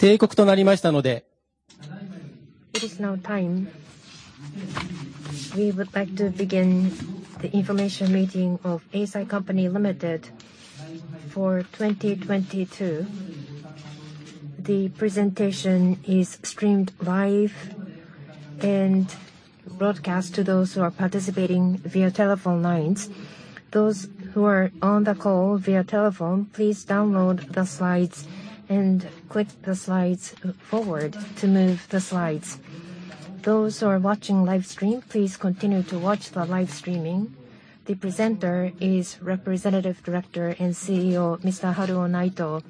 It is now time. We would like to begin the information meeting of Eisai Co, Ltd for 2022. The presentation is streamed live and broadcast to those who are participating via telephone lines. Those who are on the call via telephone, please download the slides and click the slides forward to move the slides. Those who are watching live stream, please continue to watch the live streaming. The presenter is Representative Director and CEO, Mr. Haruo Naito.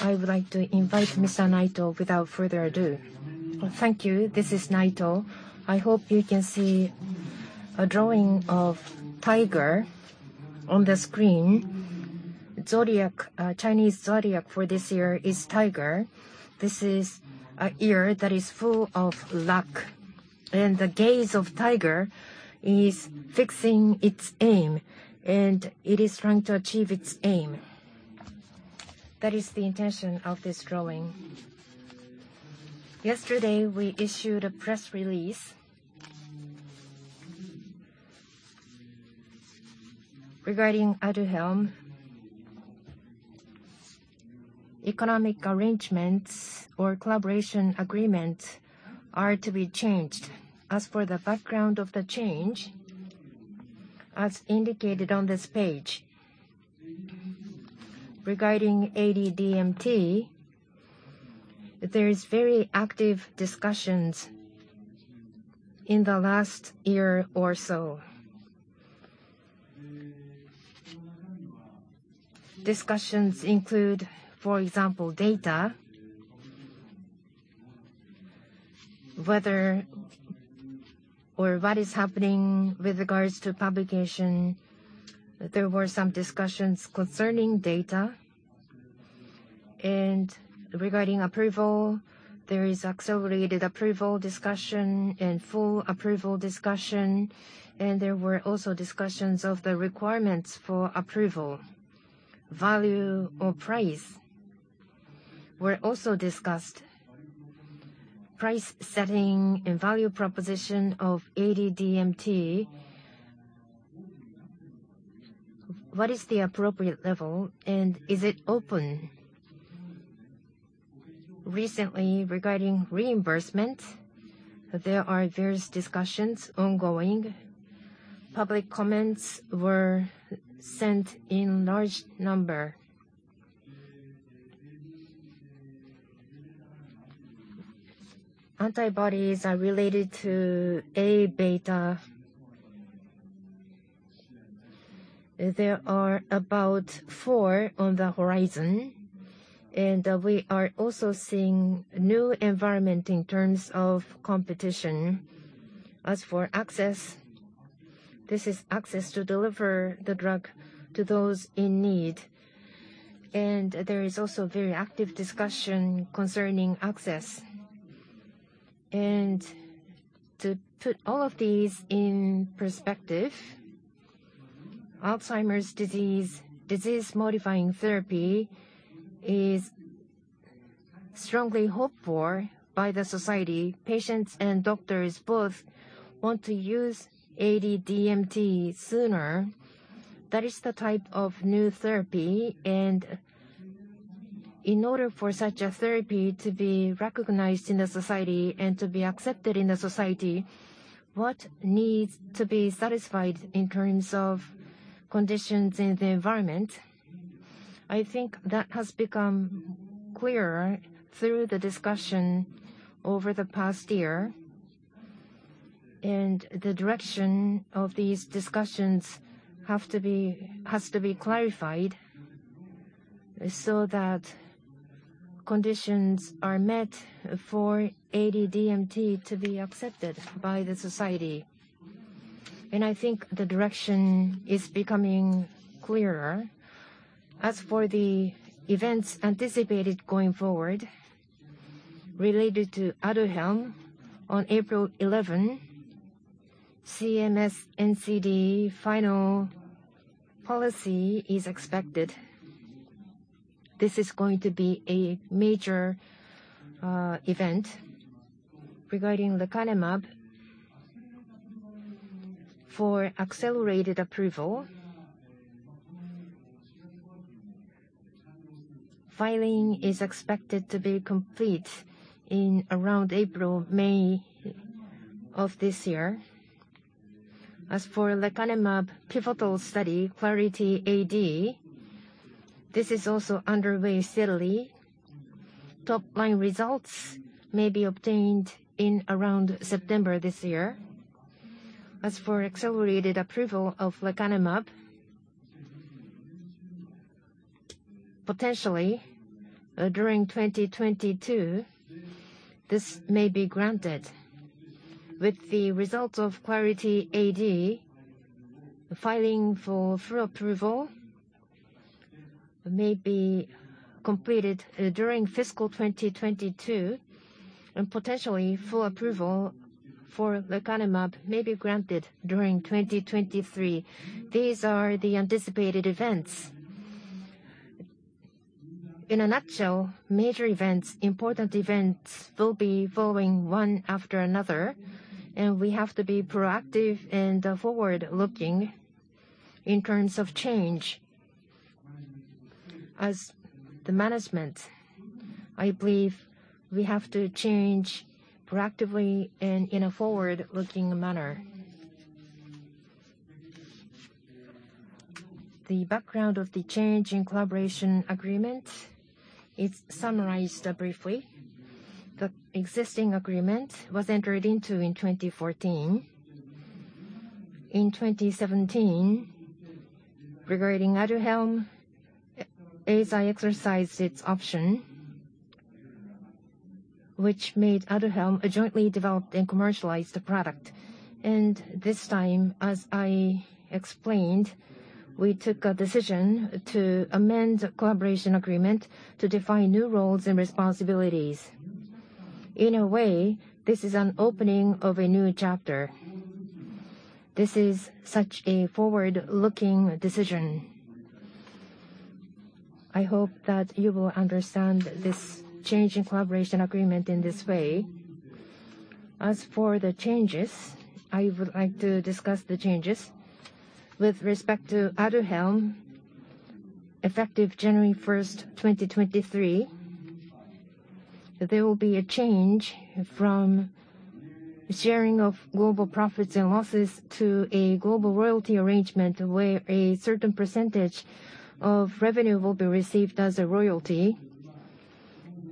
I would like to invite Mr. Naito without further ado. Thank you. This is Naito. I hope you can see a drawing of tiger on the screen. Zodiac, Chinese zodiac for this year is tiger. This is a year that is full of luck, and the gaze of tiger is fixing its aim, and it is trying to achieve its aim. That is the intention of this drawing. Yesterday, we issued a press release regarding Aduhelm. Economic arrangements or collaboration agreements are to be changed. As for the background of the change, as indicated on this page. Regarding AD-DMT, there is very active discussions in the last year or so. Discussions include, for example, data. Whether or what is happening with regards to publication, there were some discussions concerning data. Regarding approval, there is accelerated approval discussion and full approval discussion, and there were also discussions of the requirements for approval. Value or price were also discussed. Price setting and value proposition of AD-DMT. What is the appropriate level, and is it open? Recently, regarding reimbursement, there are various discussions ongoing. Public comments were sent in large number. Antibodies are related to A-beta. There are about four on the horizon, and we are also seeing new environment in terms of competition. As for access, this is access to deliver the drug to those in need, and there is also very active discussion concerning access. To put all of these in perspective, Alzheimer's disease-modifying therapy is strongly hoped for by the society. Patients and doctors both want to use AD-DMT sooner. That is the type of new therapy. In order for such a therapy to be recognized in the society and to be accepted in the society, what needs to be satisfied in terms of conditions in the environment? I think that has become clearer through the discussion over the past year. The direction of these discussions has to be clarified so that conditions are met for AD-DMT to be accepted by the society. I think the direction is becoming clearer. As for the events anticipated going forward related to Aduhelm, on April 11, CMS NCD final policy is expected. This is going to be a major event. Regarding lecanemab for accelerated approval, filing is expected to be complete in around April-May of this year. As for lecanemab pivotal study, Clarity AD, this is also underway steadily. Top-line results may be obtained in around September this year. As for accelerated approval of lecanemab, potentially during 2022, this may be granted. With the results of Clarity AD, filing for full approval may be completed during fiscal 2022, and potentially full approval for lecanemab may be granted during 2023. These are the anticipated events. In a nutshell, major events, important events will be following one after another, and we have to be proactive and forward-looking in terms of change. As the management, I believe we have to change proactively and in a forward-looking manner. The background of the change in collaboration agreement is summarized briefly. The existing agreement was entered into in 2014. In 2017, regarding Aduhelm, Eisai exercised its option, which made Aduhelm a jointly developed and commercialized product. This time, as I explained, we took a decision to amend the collaboration agreement to define new roles and responsibilities. In a way, this is an opening of a new chapter. This is such a forward-looking decision. I hope that you will understand this change in collaboration agreement in this way. As for the changes, I would like to discuss the changes. With respect to Aduhelm, effective January 1, 2023, there will be a change from sharing of global profits and losses to a global royalty arrangement, where a certain percentage of revenue will be received as a royalty.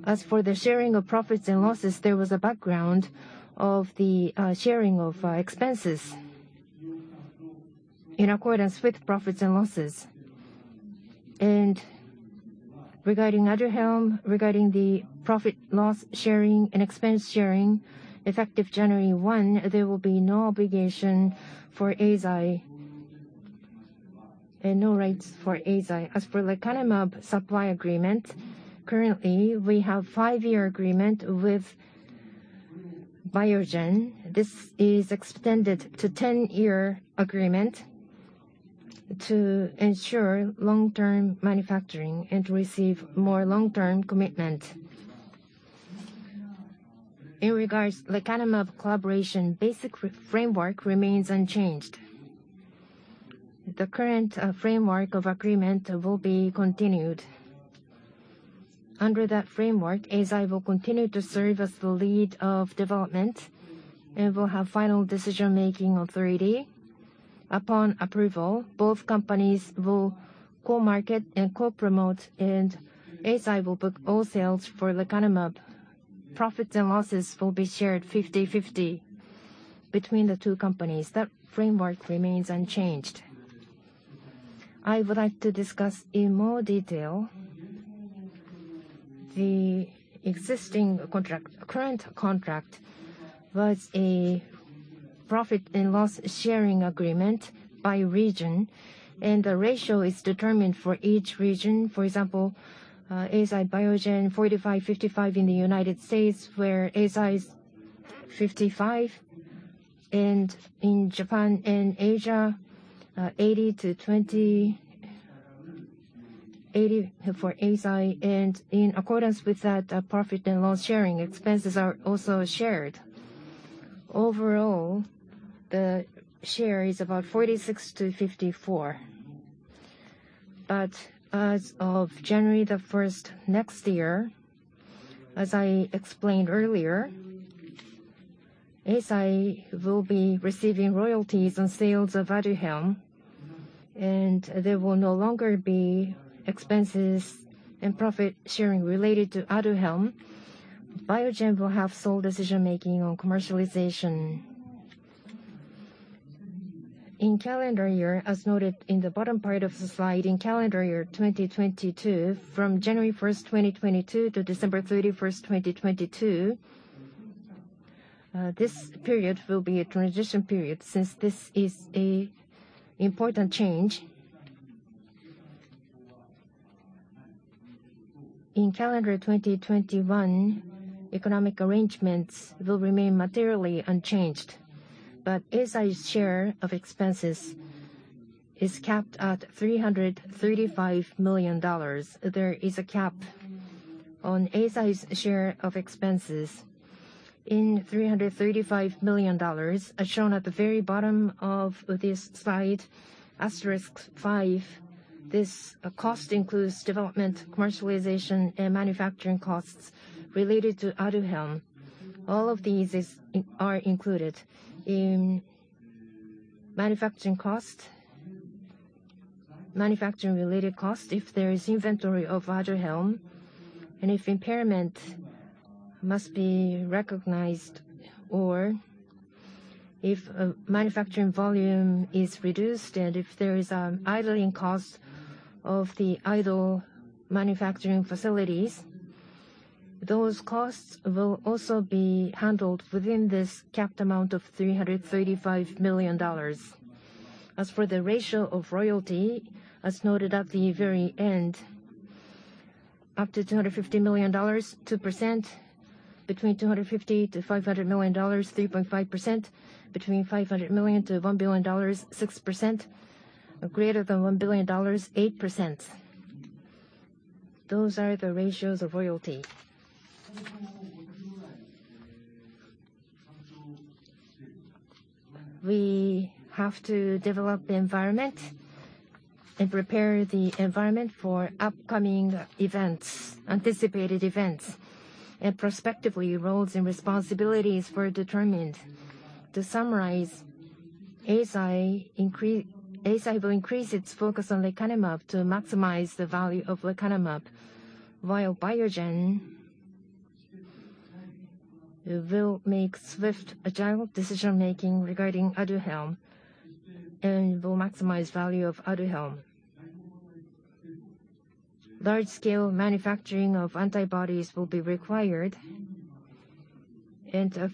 As for the sharing of profits and losses, there was a background of the sharing of expenses in accordance with profits and losses. Regarding Aduhelm, the profit & loss sharing and expense sharing, effective January 1, there will be no obligation for Eisai and no rights for Eisai. As for lecanemab supply agreement, currently, we have five-year agreement with Biogen. This is extended to 10-year agreement to ensure long-term manufacturing and receive more long-term commitment. In regards lecanemab collaboration, basic framework remains unchanged. The current framework of agreement will be continued. Under that framework, Eisai will continue to serve as the lead of development and will have final decision-making authority. Upon approval, both companies will co-market and co-promote, and Eisai will book all sales for lecanemab. Profits and losses will be shared 50/50 between the two companies. That framework remains unchanged. I would like to discuss in more detail. The existing contract, current contract, was a profit and loss sharing agreement by region, and the ratio is determined for each region. For example, Eisai Biogen 45, 55 in the United States, where Eisai is 55. In Japan and Asia, 80-20. 80 for Eisai. In accordance with that, profit and loss sharing, expenses are also shared. Overall, the share is about 46-54. As of January 1 next year, as I explained earlier, Eisai will be receiving royalties on sales of Aduhelm, and there will no longer be expenses and profit sharing related to Aduhelm. Biogen will have sole decision-making on commercialization. In calendar year, as noted in the bottom part of the slide, in calendar year 2022, from January 1, 2022 to December 31, 2022, this period will be a transition period since this is an important change. In calendar 2021, economic arrangements will remain materially unchanged, but Eisai's share of expenses is capped at $335 million. There is a cap on Eisai's share of expenses in $335 million, as shown at the very bottom of this slide, asterisk five, this cost includes development, commercialization, and manufacturing costs related to Aduhelm. All of these are included. In manufacturing cost, manufacturing-related cost, if there is inventory of Aduhelm, and if impairment must be recognized, or if manufacturing volume is reduced, and if there is idling cost of the idle manufacturing facilities, those costs will also be handled within this capped amount of $335 million. As for the ratio of royalty, as noted at the very end, up to $250 million, 2%. Between $250 million-$500 million, 3.5%. Between $500 million-$1 billion, 6%. Greater than $1 billion, 8%. Those are the ratios of royalty. We have to develop the environment and prepare the environment for upcoming events, anticipated events. Prospectively, roles and responsibilities were determined. To summarize, Eisai will increase its focus on lecanemab to maximize the value of lecanemab. While Biogen will make swift, agile decision-making regarding Aduhelm and will maximize value of Aduhelm. Large scale manufacturing of antibodies will be required.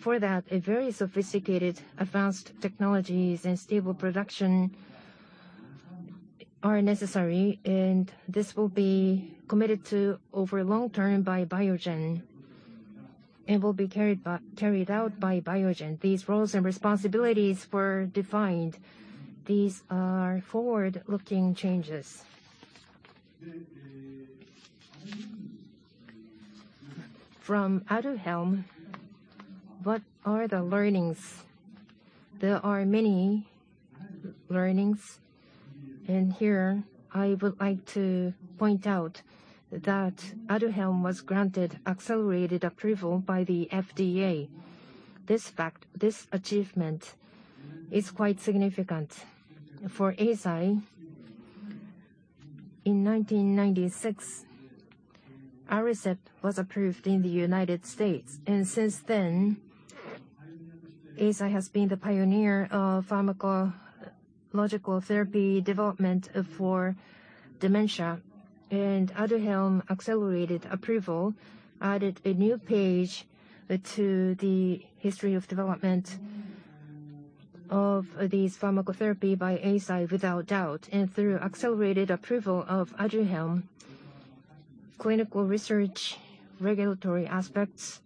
For that, a very sophisticated advanced technologies and stable production are necessary, and this will be committed to over long term by Biogen and will be carried out by Biogen. These roles and responsibilities were defined. These are forward-looking changes. From Aduhelm, what are the learnings? There are many learnings. Here I would like to point out that Aduhelm was granted accelerated approval by the FDA. This fact, this achievement is quite significant. For Eisai, in 1996, Aricept was approved in the United States. Since then, Eisai has been the pioneer of pharmacological therapy development for dementia. Aduhelm accelerated approval added a new page to the history of development of these pharmacotherapy by Eisai without doubt. Through accelerated approval of Aduhelm, clinical research, regulatory aspects,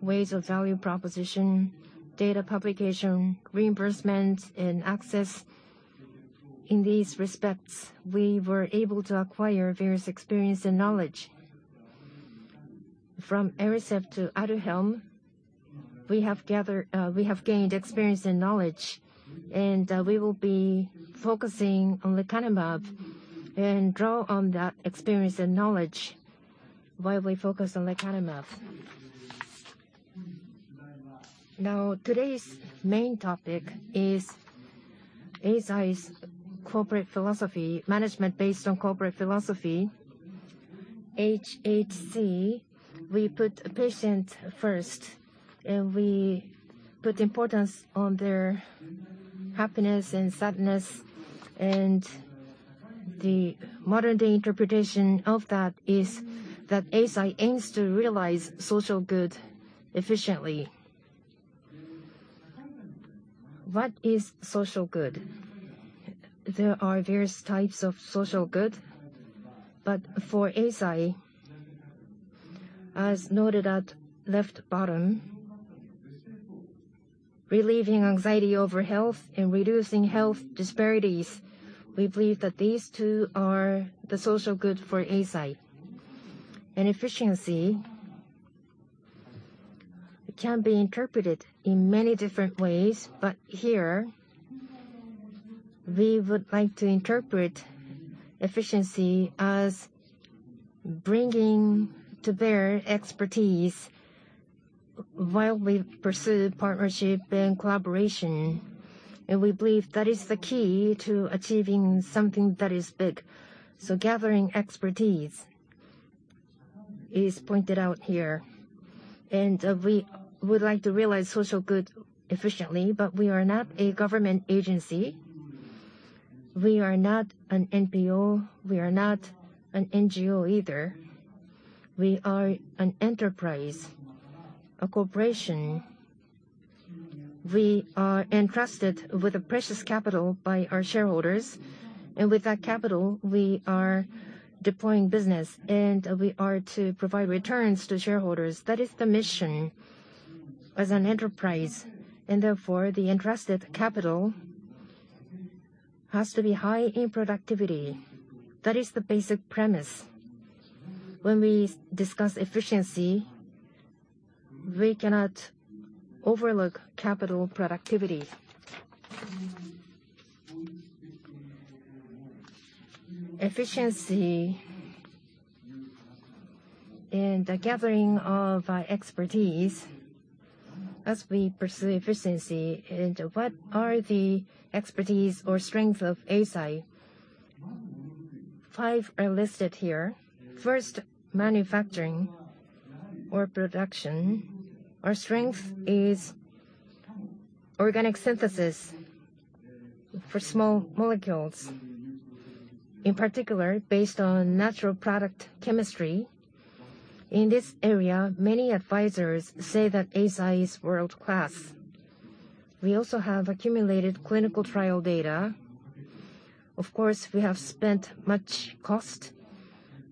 ways of value proposition, data publication, reimbursement, and access. In these respects, we were able to acquire various experience and knowledge. From Aricept to Aduhelm, we have gained experience and knowledge. We will be focusing on lecanemab and draw on that experience and knowledge while we focus on lecanemab. Now, today's main topic is Eisai's corporate philosophy, management based on corporate philosophy, hhc. We put patient first, and we put importance on their happiness and sadness. The modern-day interpretation of that is that Eisai aims to realize social good efficiently. What is social good? There are various types of social good, but for Eisai, as noted at left bottom, relieving anxiety over health and reducing health disparities. We believe that these two are the social good for Eisai. Efficiency can be interpreted in many different ways, but here we would like to interpret efficiency as bringing to bear expertise while we pursue partnership and collaboration. We believe that is the key to achieving something that is big. Gathering expertise is pointed out here. We would like to realize social good efficiently, but we are not a government agency. We are not an NPO. We are not an NGO either. We are an enterprise, a corporation. We are entrusted with a precious capital by our shareholders. With that capital, we are deploying business, and we are to provide returns to shareholders. That is the mission as an enterprise. Therefore, the entrusted capital has to be high in productivity. That is the basic premise. When we discuss efficiency, we cannot overlook capital productivity. Efficiency and the gathering of expertise as we pursue efficiency. What are the expertise or strength of Eisai? Five are listed here. First, manufacturing or production. Our strength is organic synthesis for small molecules. In particular, based on natural product chemistry. In this area, many advisors say that Eisai is world-class. We also have accumulated clinical trial data. Of course, we have spent much cost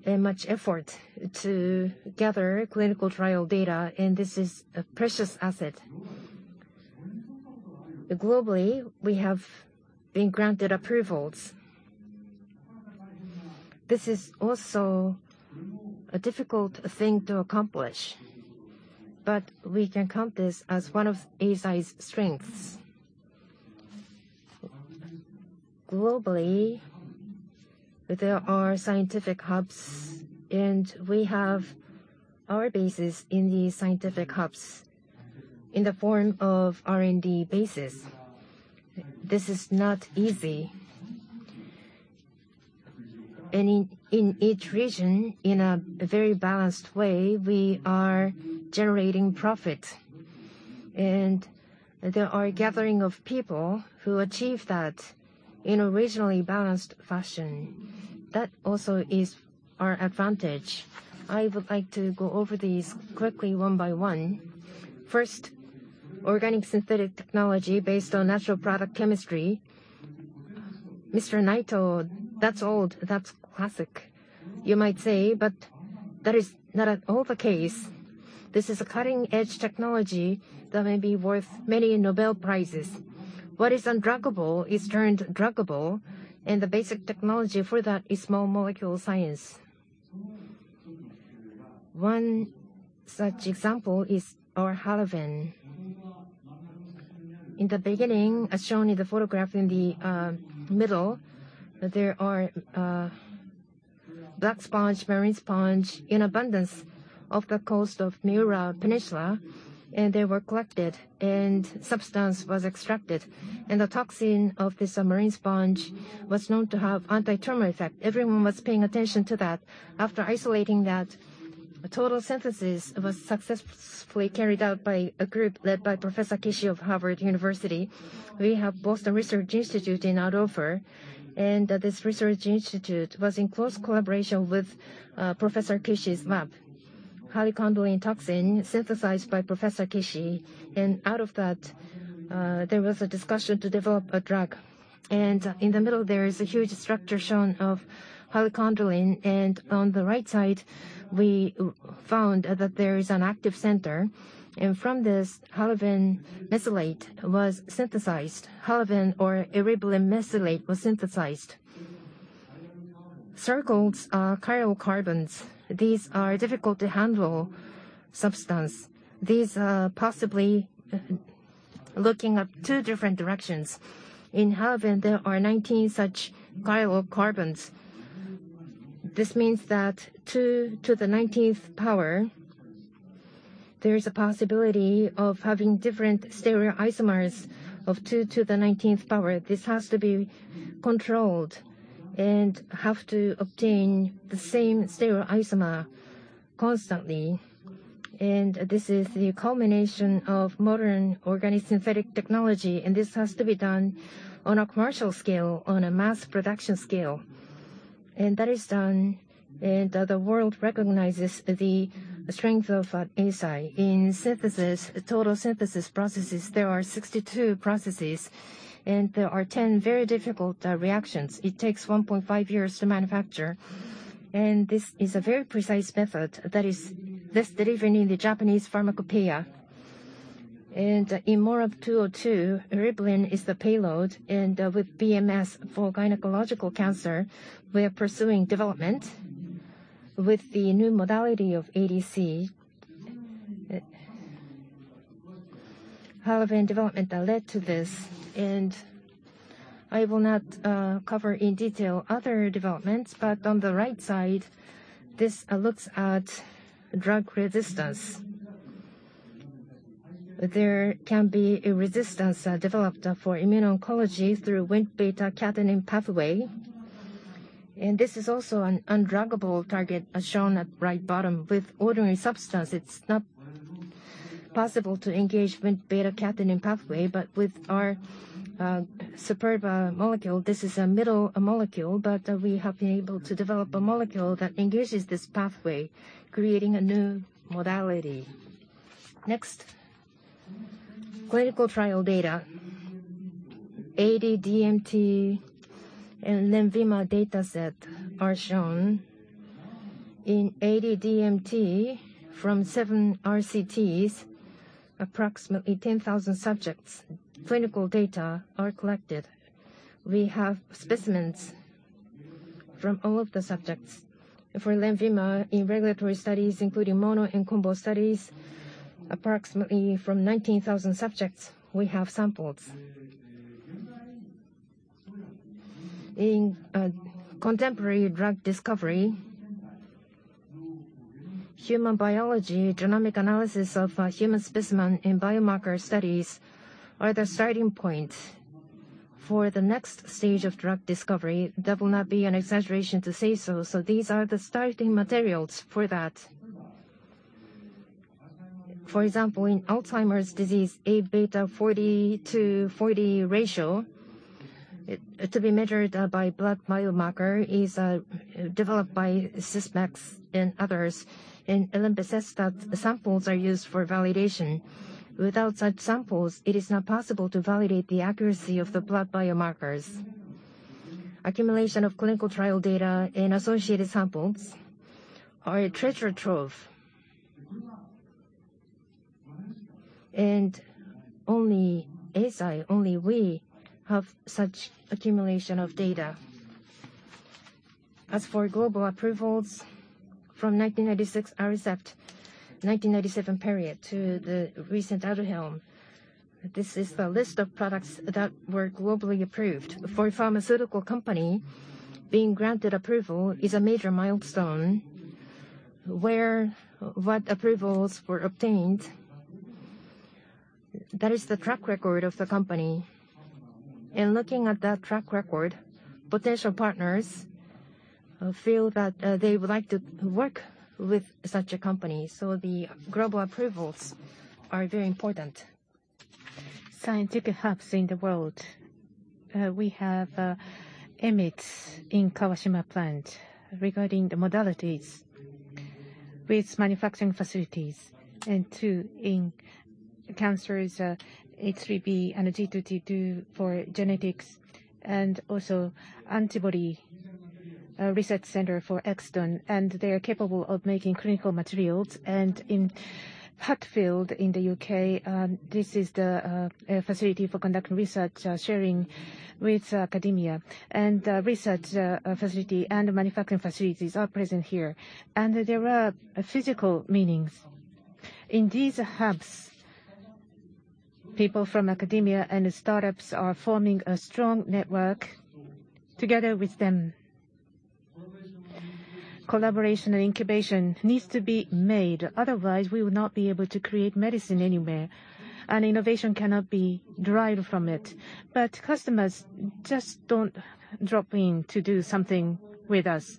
and much effort to gather clinical trial data, and this is a precious asset. Globally, we have been granted approvals. This is also a difficult thing to accomplish, but we can count this as one of Eisai's strengths. Globally, there are scientific hubs, and we have our bases in these scientific hubs in the form of R&D bases. This is not easy. In each region, in a very balanced way, we are generating profit. There is a gathering of people who achieve that in a regionally balanced fashion. That also is our advantage. I would like to go over these quickly one by one. First, organic synthetic technology based on natural product chemistry. Mr. Naito, that's old, that's classic, you might say, but that is not at all the case. This is a cutting-edge technology that may be worth many Nobel Prizes. What is undruggable is turned druggable, and the basic technology for that is small molecule science. One such example is our HALAVEN. In the beginning, as shown in the photograph in the middle, there are black marine sponge in abundance off the coast of Miura Peninsula, and they were collected, and substance was extracted. The toxin of this marine sponge was known to have antitumor effect. Everyone was paying attention to that. After isolating that, total synthesis was successfully carried out by a group led by Professor Kishi of Harvard University. We have Eisai Research Institute of Boston in Andover and this research institute was in close collaboration with Professor Kishi's lab. Halichondrin toxin synthesized by Professor Kishi, and out of that, there is a discussion to develop a drug. In the middle, there is a huge structure shown of halichondrin, and on the right side, we found that there is an active center. From this, HALAVEN was synthesized. HALAVEN or eribulin mesylate was synthesized. Circled are chiral carbons. These are difficult to handle substances. These possibly look in two different directions. In HALAVEN, there are 19 such chiral carbons. This means that two to the 19th power, there is a possibility of having different stereoisomers of two to the 19th power. This has to be controlled and have to obtain the same stereoisomer constantly. This is the culmination of modern organic synthetic technology, and this has to be done on a commercial scale, on a mass production scale. That is done, and the world recognizes the strength of Eisai. In synthesis, total synthesis processes, there are 62 processes, and there are 10 very difficult reactions. It takes 1.5 years to manufacture, and this is a very precise method that is listed even in the Japanese Pharmacopeia. In MORAb-202, eribulin is the payload, and with BMS for gynecological cancer, we are pursuing development with the new modality of ADC. HALAVEN development led to this, and I will not cover in detail other developments, but on the right side, this looks at drug resistance. There can be a resistance developed for immuno-oncology through Wnt/β-catenin pathway. This is also an undruggable target, as shown at right bottom. With ordinary substance, it's not possible to engage Wnt/β-catenin pathway, but with our superb molecule, this is a middle molecule, but we have been able to develop a molecule that engages this pathway, creating a new modality. Next. Clinical trial data. AD-DMT and LENVIMA dataset are shown. In AD-DMT, from seven RCTs, approximately 10,000 subjects' clinical data are collected. We have specimens from all of the subjects. For LENVIMA, in regulatory studies, including mono and combo studies, approximately from 19,000 subjects, we have samples. In contemporary drug discovery, human biology, genomic analysis of human specimen in biomarker studies are the starting point for the next stage of drug discovery. That will not be an exaggeration to say so. These are the starting materials for that. For example, in Alzheimer's disease, A beta 42 to 40 ratio, to be measured by blood biomarker, is developed by Sysmex and others. Olympus's samples are used for validation. Without such samples, it is not possible to validate the accuracy of the blood biomarkers. Accumulation of clinical trial data and associated samples are a treasure trove. Only Eisai, only we, have such accumulation of data. As for global approvals, from 1996 Aricept, 1997 to the recent Aduhelm. This is the list of products that were globally approved. For a pharmaceutical company, being granted approval is a major milestone. What approvals were obtained, that is the track record of the company. In looking at that track record, potential partners feel that they would like to work with such a company. The global approvals are very important. Scientific hubs in the world. We have EMITS in Kawashima plant. Regarding the modalities with manufacturing facilities. Too, in cancers, H3B and G2D2 for genetics and also antibody research center for Exton. They are capable of making clinical materials. In Hatfield in the U.K., this is the facility for conducting research, sharing with academia. Research facility and manufacturing facilities are present here. There are physical meetings. In these hubs, people from academia and startups are forming a strong network together with them. Collaboration and incubation needs to be made, otherwise we would not be able to create medicine anywhere, and innovation cannot be derived from it. But customers just don't drop in to do something with us.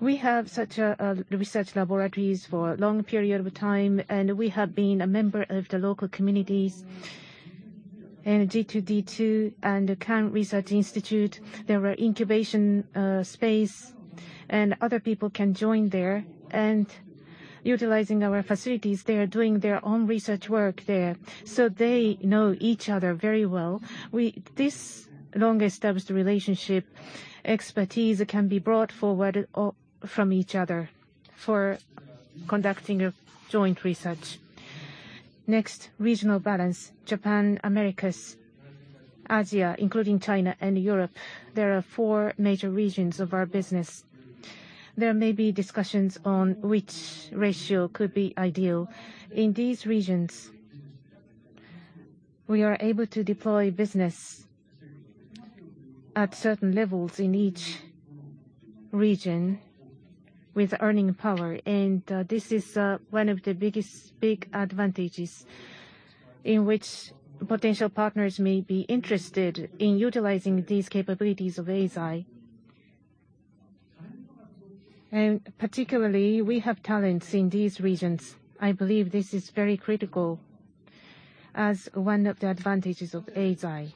We have such research laboratories for a long period of time, and we have been a member of the local communities. In G2D2 and the current research institute, there are incubation space, and other people can join there. Utilizing our facilities, they are doing their own research work there, so they know each other very well. This long-established relationship expertise can be brought forward from each other for conducting a joint research. Next, regional balance. Japan, Americas, Asia, including China and Europe. There are four major regions of our business. There may be discussions on which ratio could be ideal. In these regions, we are able to deploy business at certain levels in each region with earning power. This is one of the biggest advantages in which potential partners may be interested in utilizing these capabilities of Eisai. Particularly, we have talents in these regions. I believe this is very critical as one of the advantages of Eisai.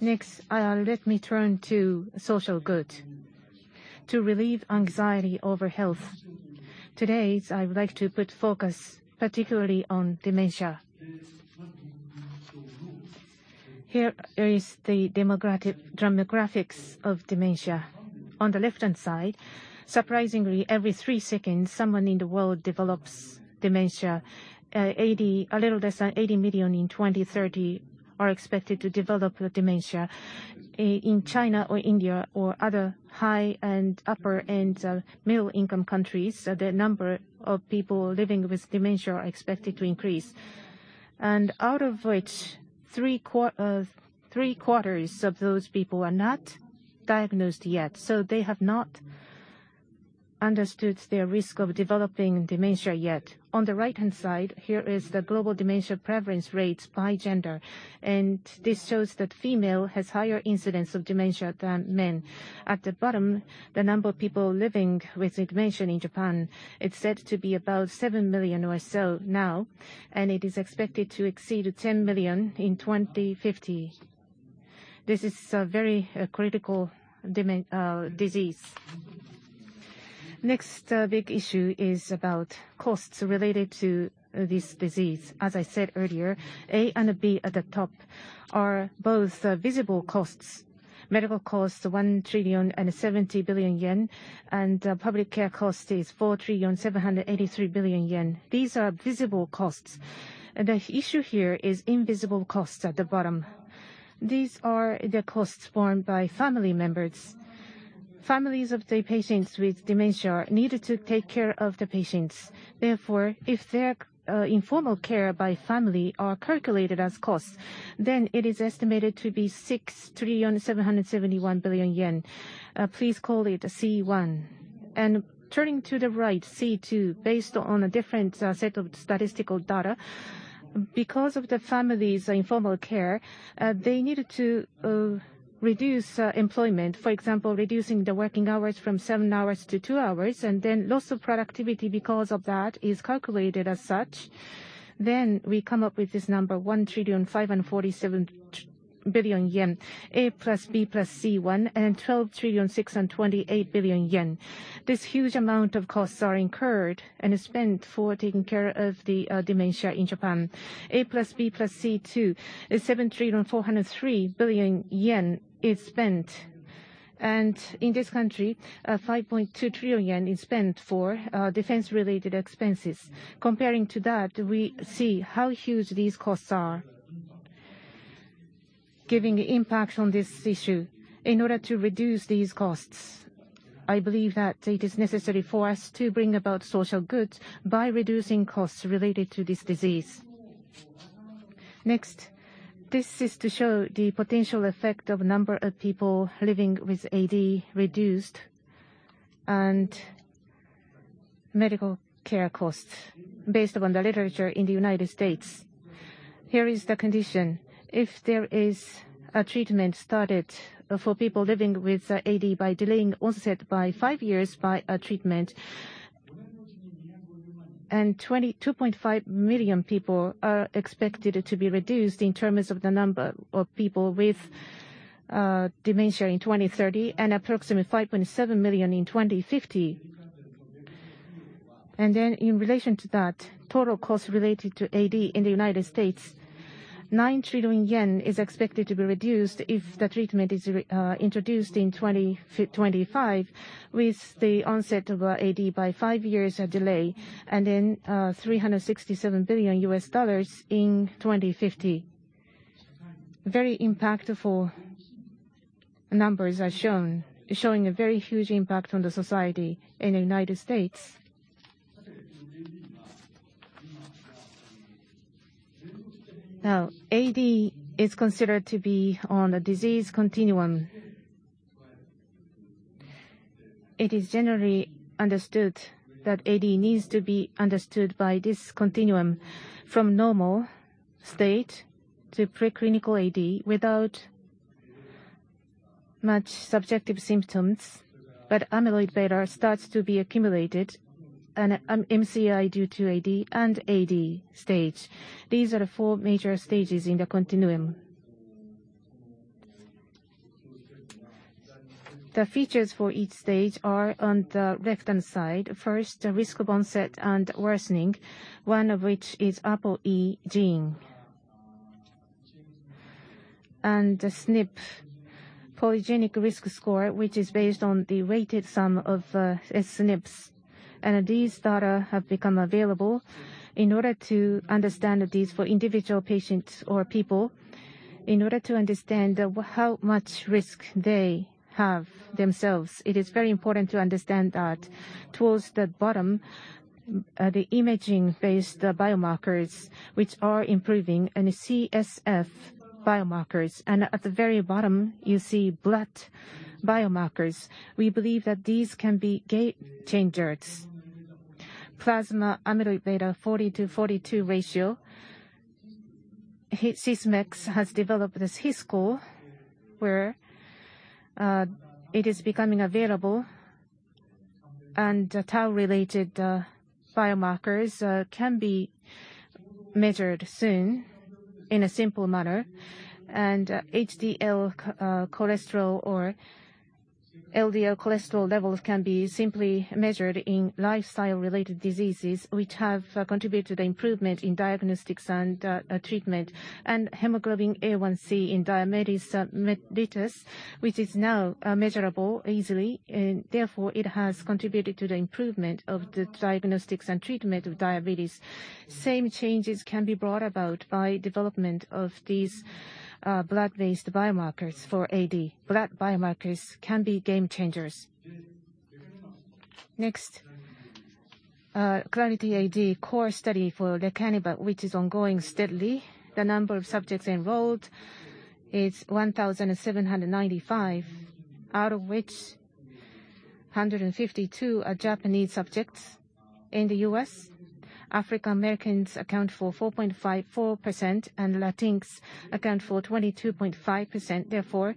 Next, let me turn to social good, to relieve anxiety over health. Today, I would like to put focus particularly on dementia. Here is the demographics of dementia. On the left-hand side, surprisingly, every three seconds, someone in the world develops dementia. A little less than 80 million in 2030 are expected to develop dementia. In China or India or other high and upper-end middle income countries, the number of people living with dementia are expected to increase. Out of which, three-quarters of those people are not diagnosed yet, so they have not understood their risk of developing dementia yet. On the right-hand side, here is the global dementia prevalence rates by gender, and this shows that female has higher incidence of dementia than men. At the bottom, the number of people living with dementia in Japan, it's said to be about 7 million or so now, and it is expected to exceed 10 million in 2050. This is a very critical disease. Next, big issue is about costs related to this disease. As I said earlier, A and B at the top are both visible costs. Medical costs, 1,070 billion yen, and public care cost is 4,783 billion yen. These are visible costs. The issue here is invisible costs at the bottom. These are the costs borne by family members. Families of the patients with dementia are needed to take care of the patients. Therefore, if their informal care by family are calculated as costs, then it is estimated to be 6,771 billion yen. Please call it C1. Turning to the right, C2, based on a different set of statistical data. Because of the family's informal care, they needed to reduce employment. For example, reducing the working hours from seven hours to two hours, and then loss of productivity because of that is calculated as such. We come up with this number, 1.547 trillion. A+B+C1 and 12.628 trillion yen. This huge amount of costs are incurred and spent for taking care of the dementia in Japan. A+B+C2 is 7.403 trillion is spent. In this country, 5.2 trillion yen is spent for defense-related expenses. Comparing to that, we see how huge these costs are. Giving impact on this issue. In order to reduce these costs, I believe that it is necessary for us to bring about social goods by reducing costs related to this disease. Next, this is to show the potential effect of number of people living with AD reduced and medical care costs based upon the literature in the United States. Here is the condition. If there is a treatment started for people living with AD by delaying onset by five years by a treatment. 22.5 million people are expected to be reduced in terms of the number of people with dementia in 2030, and approximately 5.7 million in 2050. Then in relation to that, total costs related to AD in the United States, 9 trillion yen is expected to be reduced if the treatment is introduced in 2025, with the onset of AD by five years of delay, and then $367 billion in 2050. Very impactful numbers are shown, showing a very huge impact on the society in the United States. Now, AD is considered to be on a disease continuum. It is generally understood that AD needs to be understood by this continuum from normal state to pre-clinical AD without much subjective symptoms, but amyloid beta starts to be accumulated and MCI due to AD and AD stage. These are the four major stages in the continuum. The features for each stage are on the left-hand side. First, risk of onset and worsening, one of which is ApoE gene. The SNP polygenic risk score, which is based on the weighted sum of SNPs. These data have become available in order to understand these for individual patients or people. In order to understand how much risk they have themselves, it is very important to understand that. Towards the bottom, the imaging-based biomarkers, which are improving, and CSF biomarkers. At the very bottom, you see blood biomarkers. We believe that these can be game changers. Plasma amyloid beta 40 to 42 ratio. Sysmex has developed this HIS score, where it is becoming available and tau-related biomarkers can be measured soon in a simple manner. HDL cholesterol or LDL cholesterol levels can be simply measured in lifestyle-related diseases, which have contributed to the improvement in diagnostics and treatment. Hemoglobin A1C in diabetes mellitus, which is now measurable easily, and therefore it has contributed to the improvement of the diagnostics and treatment of diabetes. Same changes can be brought about by development of these blood-based biomarkers for AD. Blood biomarkers can be game changers. Next, Clarity AD core study for lecanemab, which is ongoing steadily. The number of subjects enrolled is 1,795, out of which 152 are Japanese subjects. In the U.S., African Americans account for 4.54% and Latinos account for 22.5%. Therefore,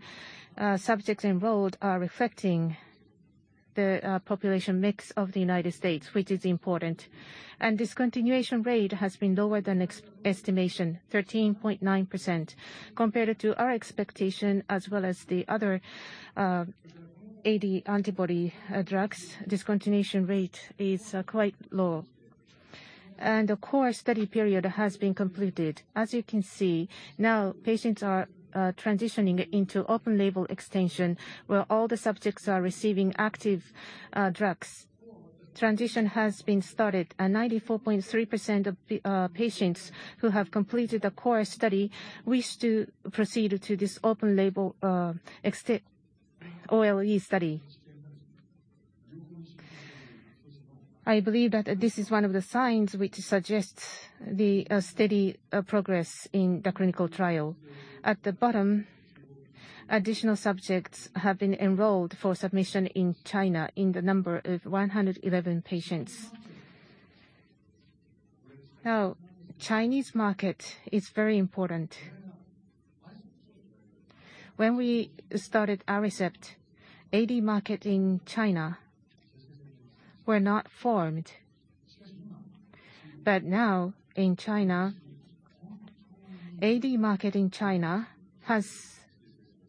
subjects enrolled are reflecting the population mix of the United States, which is important. Discontinuation rate has been lower than estimation, 13.9%. Compared to our expectation, as well as the other AD antibody drugs, discontinuation rate is quite low. The core study period has been completed. As you can see, now patients are transitioning into open-label extension, where all the subjects are receiving active drugs. Transition has been started, and 94.3% of patients who have completed the core study wish to proceed to this open label OLE study. I believe that this is one of the signs which suggests the steady progress in the clinical trial. At the bottom, additional subjects have been enrolled for submission in China in the number of 111 patients. Now, Chinese market is very important. When we started Aricept, AD market in China were not formed. Now in China, AD market in China has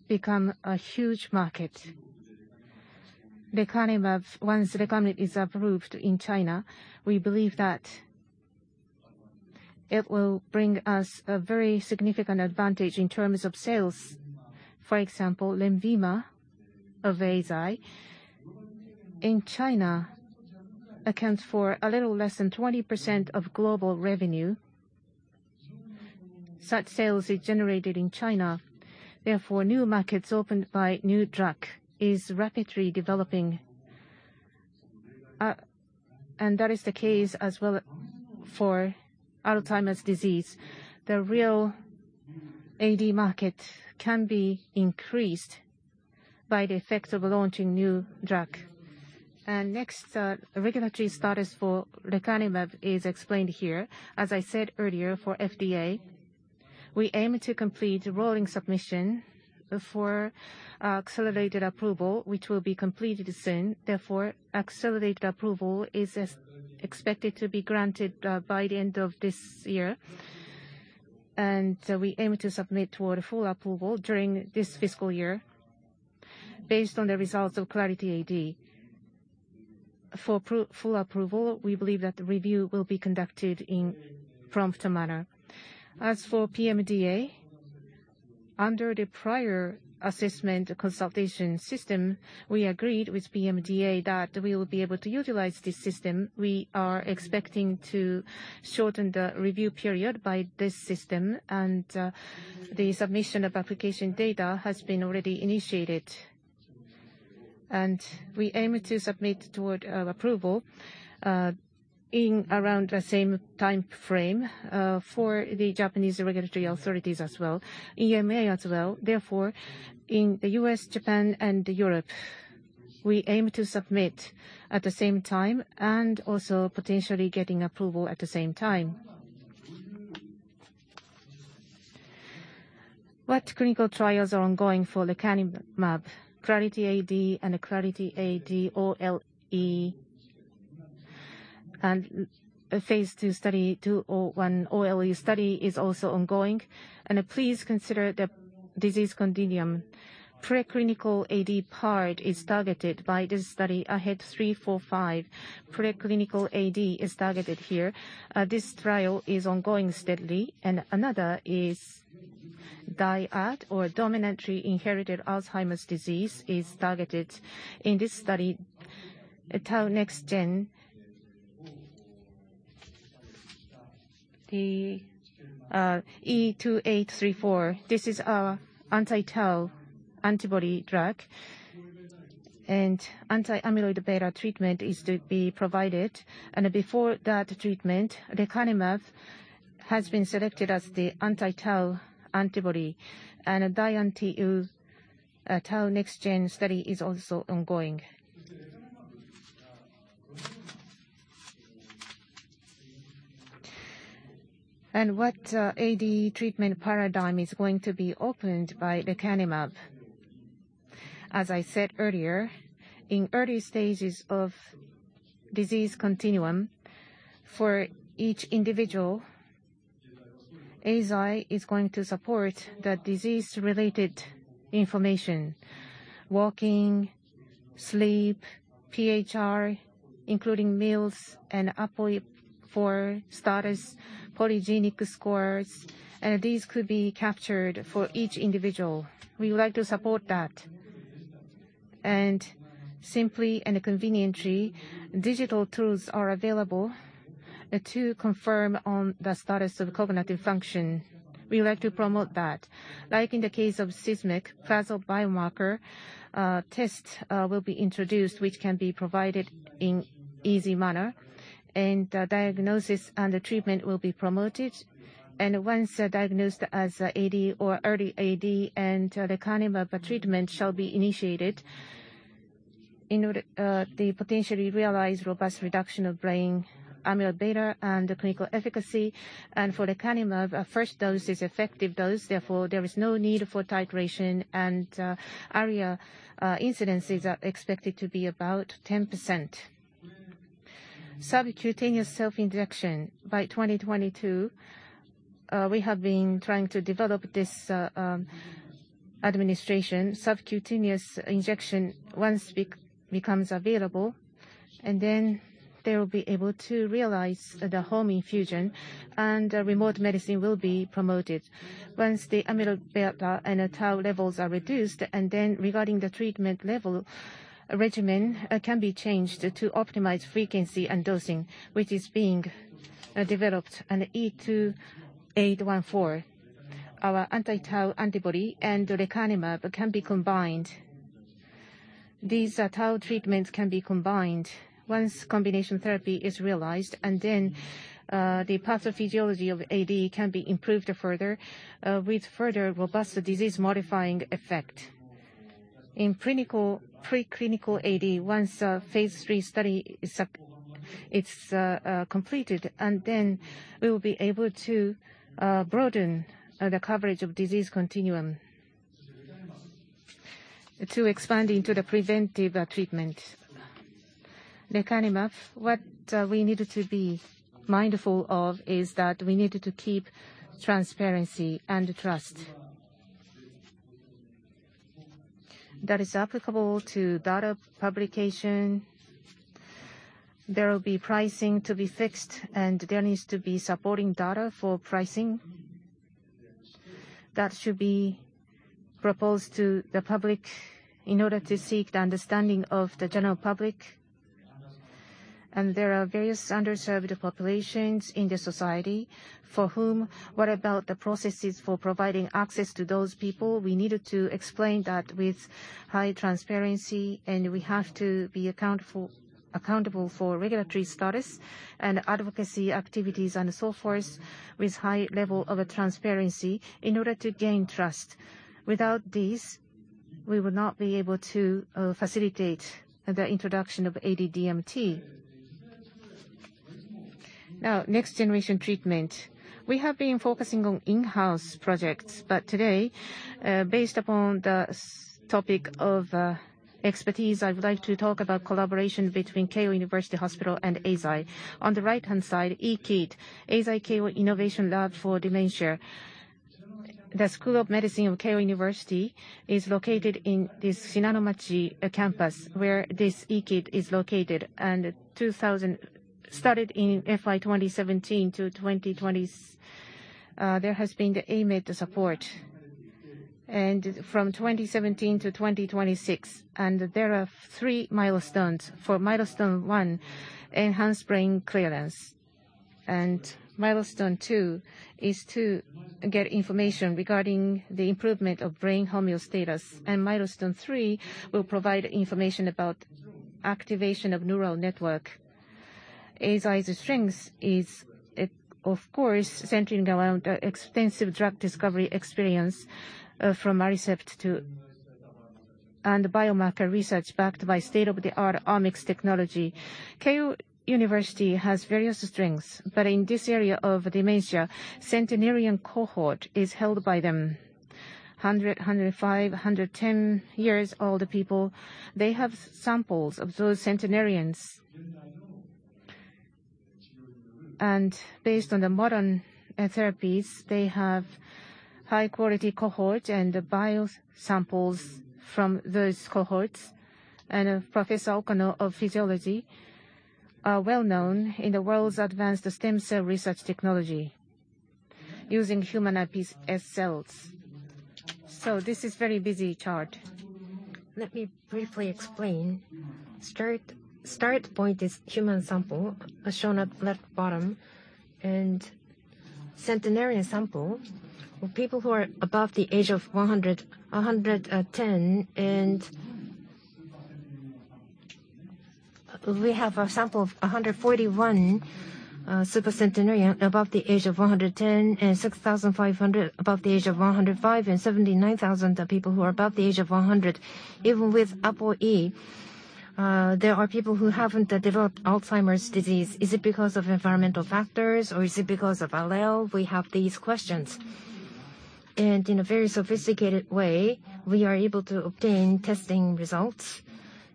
become a huge market. Lecanemab, once lecanemab is approved in China, we believe that it will bring us a very significant advantage in terms of sales. For example, LENVIMA of Eisai in China accounts for a little less than 20% of global revenue. Such sales is generated in China. Therefore, new markets opened by new drug is rapidly developing. That is the case as well for Alzheimer's disease. The real AD market can be increased by the effects of launching new drug. Next, regulatory status for lecanemab is explained here. As I said earlier, for FDA, we aim to complete rolling submission for accelerated approval, which will be completed soon. Therefore, accelerated approval is expected to be granted by the end of this year. We aim to submit toward a full approval during this fiscal year based on the results of Clarity AD. For full approval, we believe that the review will be conducted in prompt manner. As for PMDA, under the prior assessment consultation system, we agreed with PMDA that we will be able to utilize this system. We are expecting to shorten the review period by this system, and the submission of application data has been already initiated. We aim to submit toward approval in around the same timeframe for the Japanese regulatory authorities as well, EMA as well. Therefore, in the U.S., Japan, and Europe, we aim to submit at the same time and also potentially getting approval at the same time. What clinical trials are ongoing for lecanemab? Clarity AD and Clarity AD OLE. A phase II study, 201 OLE study is also ongoing. Please consider the disease continuum. Preclinical AD part is targeted by this study, AHEAD 3-45. Preclinical AD is targeted here. This trial is ongoing steadily. Another is DIAD, or Dominantly Inherited Alzheimer's Disease, is targeted in this study, Tau NexGen. E2814. This is our anti-tau antibody drug. Anti-amyloid beta treatment is to be provided. Before that treatment, lecanemab has been selected as the anti-tau antibody. DIAN-TU, Tau NexGen study is also ongoing. What AD treatment paradigm is going to be opened by lecanemab? As I said earlier, in early stages of disease continuum for each individual, Eisai is going to support the disease-related information. Walking, sleep, PHR, including meals, and ApoE4 status, polygenic scores, and these could be captured for each individual. We would like to support that. Simply and conveniently, digital tools are available to confirm the status of cognitive function. We would like to promote that. Like in the case of Sysmex, plasma biomarker tests will be introduced, which can be provided in easy manner. Diagnosis and the treatment will be promoted. Once diagnosed as AD or early AD, lecanemab treatment shall be initiated in order the potentially realized robust reduction of brain amyloid beta and the clinical efficacy. For lecanemab, a first dose is effective dose, therefore there is no need for titration. ARIA incidences are expected to be about 10%. Subcutaneous self-injection. By 2022, we have been trying to develop this administration. Subcutaneous injection once becomes available, and then they will be able to realize the home infusion, and remote medicine will be promoted. Once the amyloid beta and tau levels are reduced, and then regarding the treatment level, a regimen can be changed to optimize frequency and dosing, which is being developed. E2814, our anti-tau antibody and lecanemab can be combined. These tau treatments can be combined once combination therapy is realized. Then the pathophysiology of AD can be improved further with further robust disease-modifying effect. In clinical, pre-clinical AD, once phase III study is completed, then we will be able to broaden the coverage of disease continuum. To expand into the preventive treatment. Lecanemab, what we need to be mindful of is that we needed to keep transparency and trust. That is applicable to data publication. There will be pricing to be fixed, and there needs to be supporting data for pricing. That should be proposed to the public in order to seek the understanding of the general public. There are various underserved populations in the society for whom what about the processes for providing access to those people? We needed to explain that with high transparency, and we have to be accountable for regulatory status and advocacy activities and so forth with high level of transparency in order to gain trust. Without this, we will not be able to facilitate the introduction of AD treatment. Now, next generation treatment. We have been focusing on in-house projects, but today, based upon the topic of expertise, I would like to talk about collaboration between Keio University Hospital and Eisai. On the right-hand side, EKID, Eisai-Keio Innovation Lab for Dementia. The School of Medicine of Keio University is located in this Shinanomachi campus, where this EKID is located. Started in FY 2017 to 2020, there has been AMED support. From 2017 to 2026, there are three milestones. For milestone one, enhanced brain clearance. Milestone two is to get information regarding the improvement of brain homeostasis. Milestone three will provide information about activation of neural network. Eisai's strengths is, of course, centering around, extensive drug discovery experience, from Aricept. Biomarker research backed by state-of-the-art omics technology. Keio University has various strengths. In this area of dementia, centenarian cohort is held by them. 105, 110 years old people, they have samples of those centenarians. Based on the modern therapies, they have high quality cohort and bio samples from those cohorts. Professor Okano of physiology are well known in the world's advanced stem cell research technology using human iPS cells. This is very busy chart. Let me briefly explain. Start point is human sample, as shown at left bottom. Centenarian sample are people who are above the age of 100, 110. We have a sample of 141 super centenarian above the age of 110, and 6,500 above the age of 105, and 79,000 people who are above the age of 100. Even with ApoE, there are people who haven't developed Alzheimer's disease. Is it because of environmental factors or is it because of allele? We have these questions. In a very sophisticated way, we are able to obtain testing results.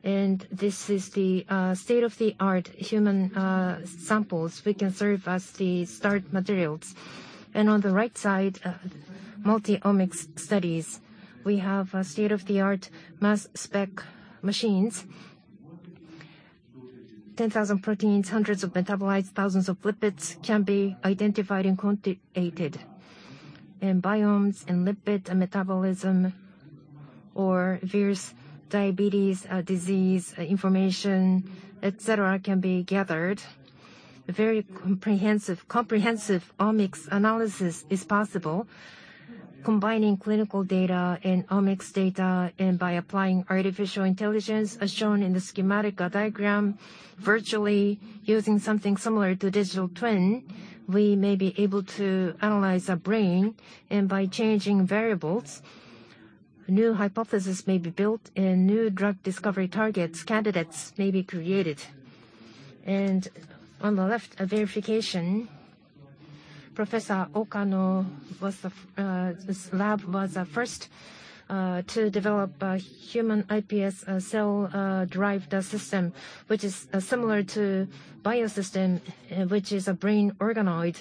This is the state-of-the-art human samples which can serve as the start materials. On the right side, multi-omics studies. We have state-of-the-art mass spec machines. 10,000 proteins, hundreds of metabolites, thousands of lipids can be identified and quantitated. Biomes and lipid and metabolism or various diabetes disease information, et cetera, can be gathered. A very comprehensive omics analysis is possible. Combining clinical data and omics data, and by applying artificial intelligence, as shown in the schematic diagram, virtually using something similar to digital twin, we may be able to analyze a brain. By changing variables, new hypothesis may be built and new drug discovery targets, candidates may be created. On the left, a verification. Professor Okano was the, his lab was first to develop a human iPS cell derived system, which is similar to bio system, which is a brain organoid.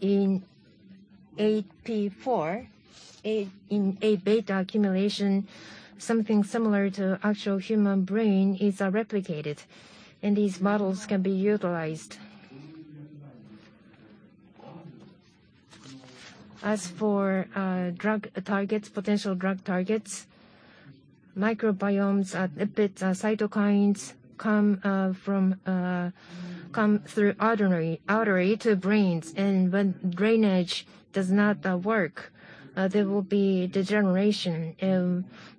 In ApoE4, in Aβ accumulation, something similar to actual human brain is replicated, and these models can be utilized. As for drug targets, potential drug targets, microbiomes, lipids, cytokines come from come through artery to brains. When drainage does not work, there will be degeneration.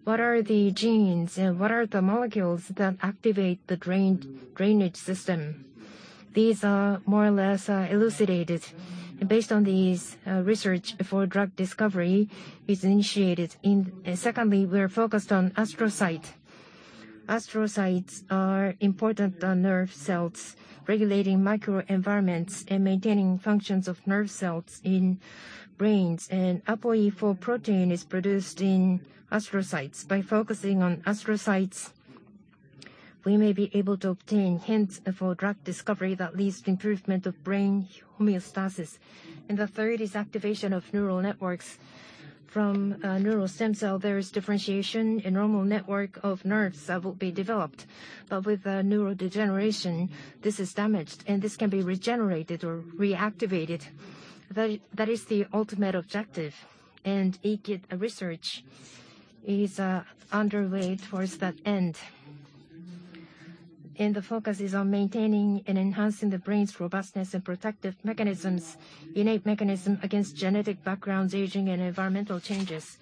What are the genes and what are the molecules that activate the drainage system? These are more or less elucidated based on these research before drug discovery is initiated. Secondly, we are focused on astrocyte. Astrocytes are important, nerve cells regulating microenvironments and maintaining functions of nerve cells in brains. ApoE4 protein is produced in astrocytes. By focusing on astrocytes, we may be able to obtain hints for drug discovery that leads to improvement of brain homeostasis. The third is activation of neural networks. From neural stem cell, there is differentiation. A normal network of nerves that will be developed. But with neurodegeneration, this is damaged, and this can be regenerated or reactivated. That is the ultimate objective. EKID research is underway towards that end. The focus is on maintaining and enhancing the brain's robustness and protective mechanisms, innate mechanism against genetic backgrounds, aging, and environmental changes.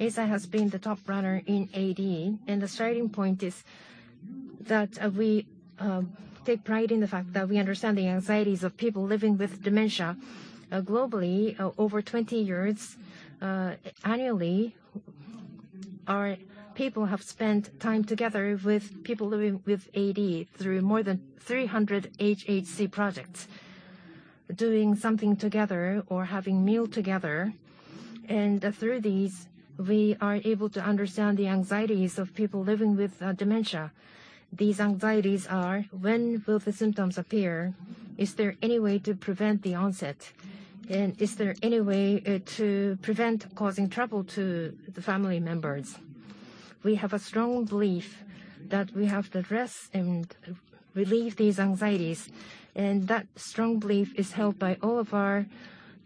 Eisai has been the top runner in AD, and the starting point is that we take pride in the fact that we understand the anxieties of people living with dementia. Globally, over 20 years, annually, our people have spent time together with people living with AD through more than 300 hhc projects, doing something together or having meal together. Through these, we are able to understand the anxieties of people living with dementia. These anxieties are: When will the symptoms appear? Is there any way to prevent the onset? And is there any way to prevent causing trouble to the family members? We have a strong belief that we have to address and relieve these anxieties, and that strong belief is held by all of our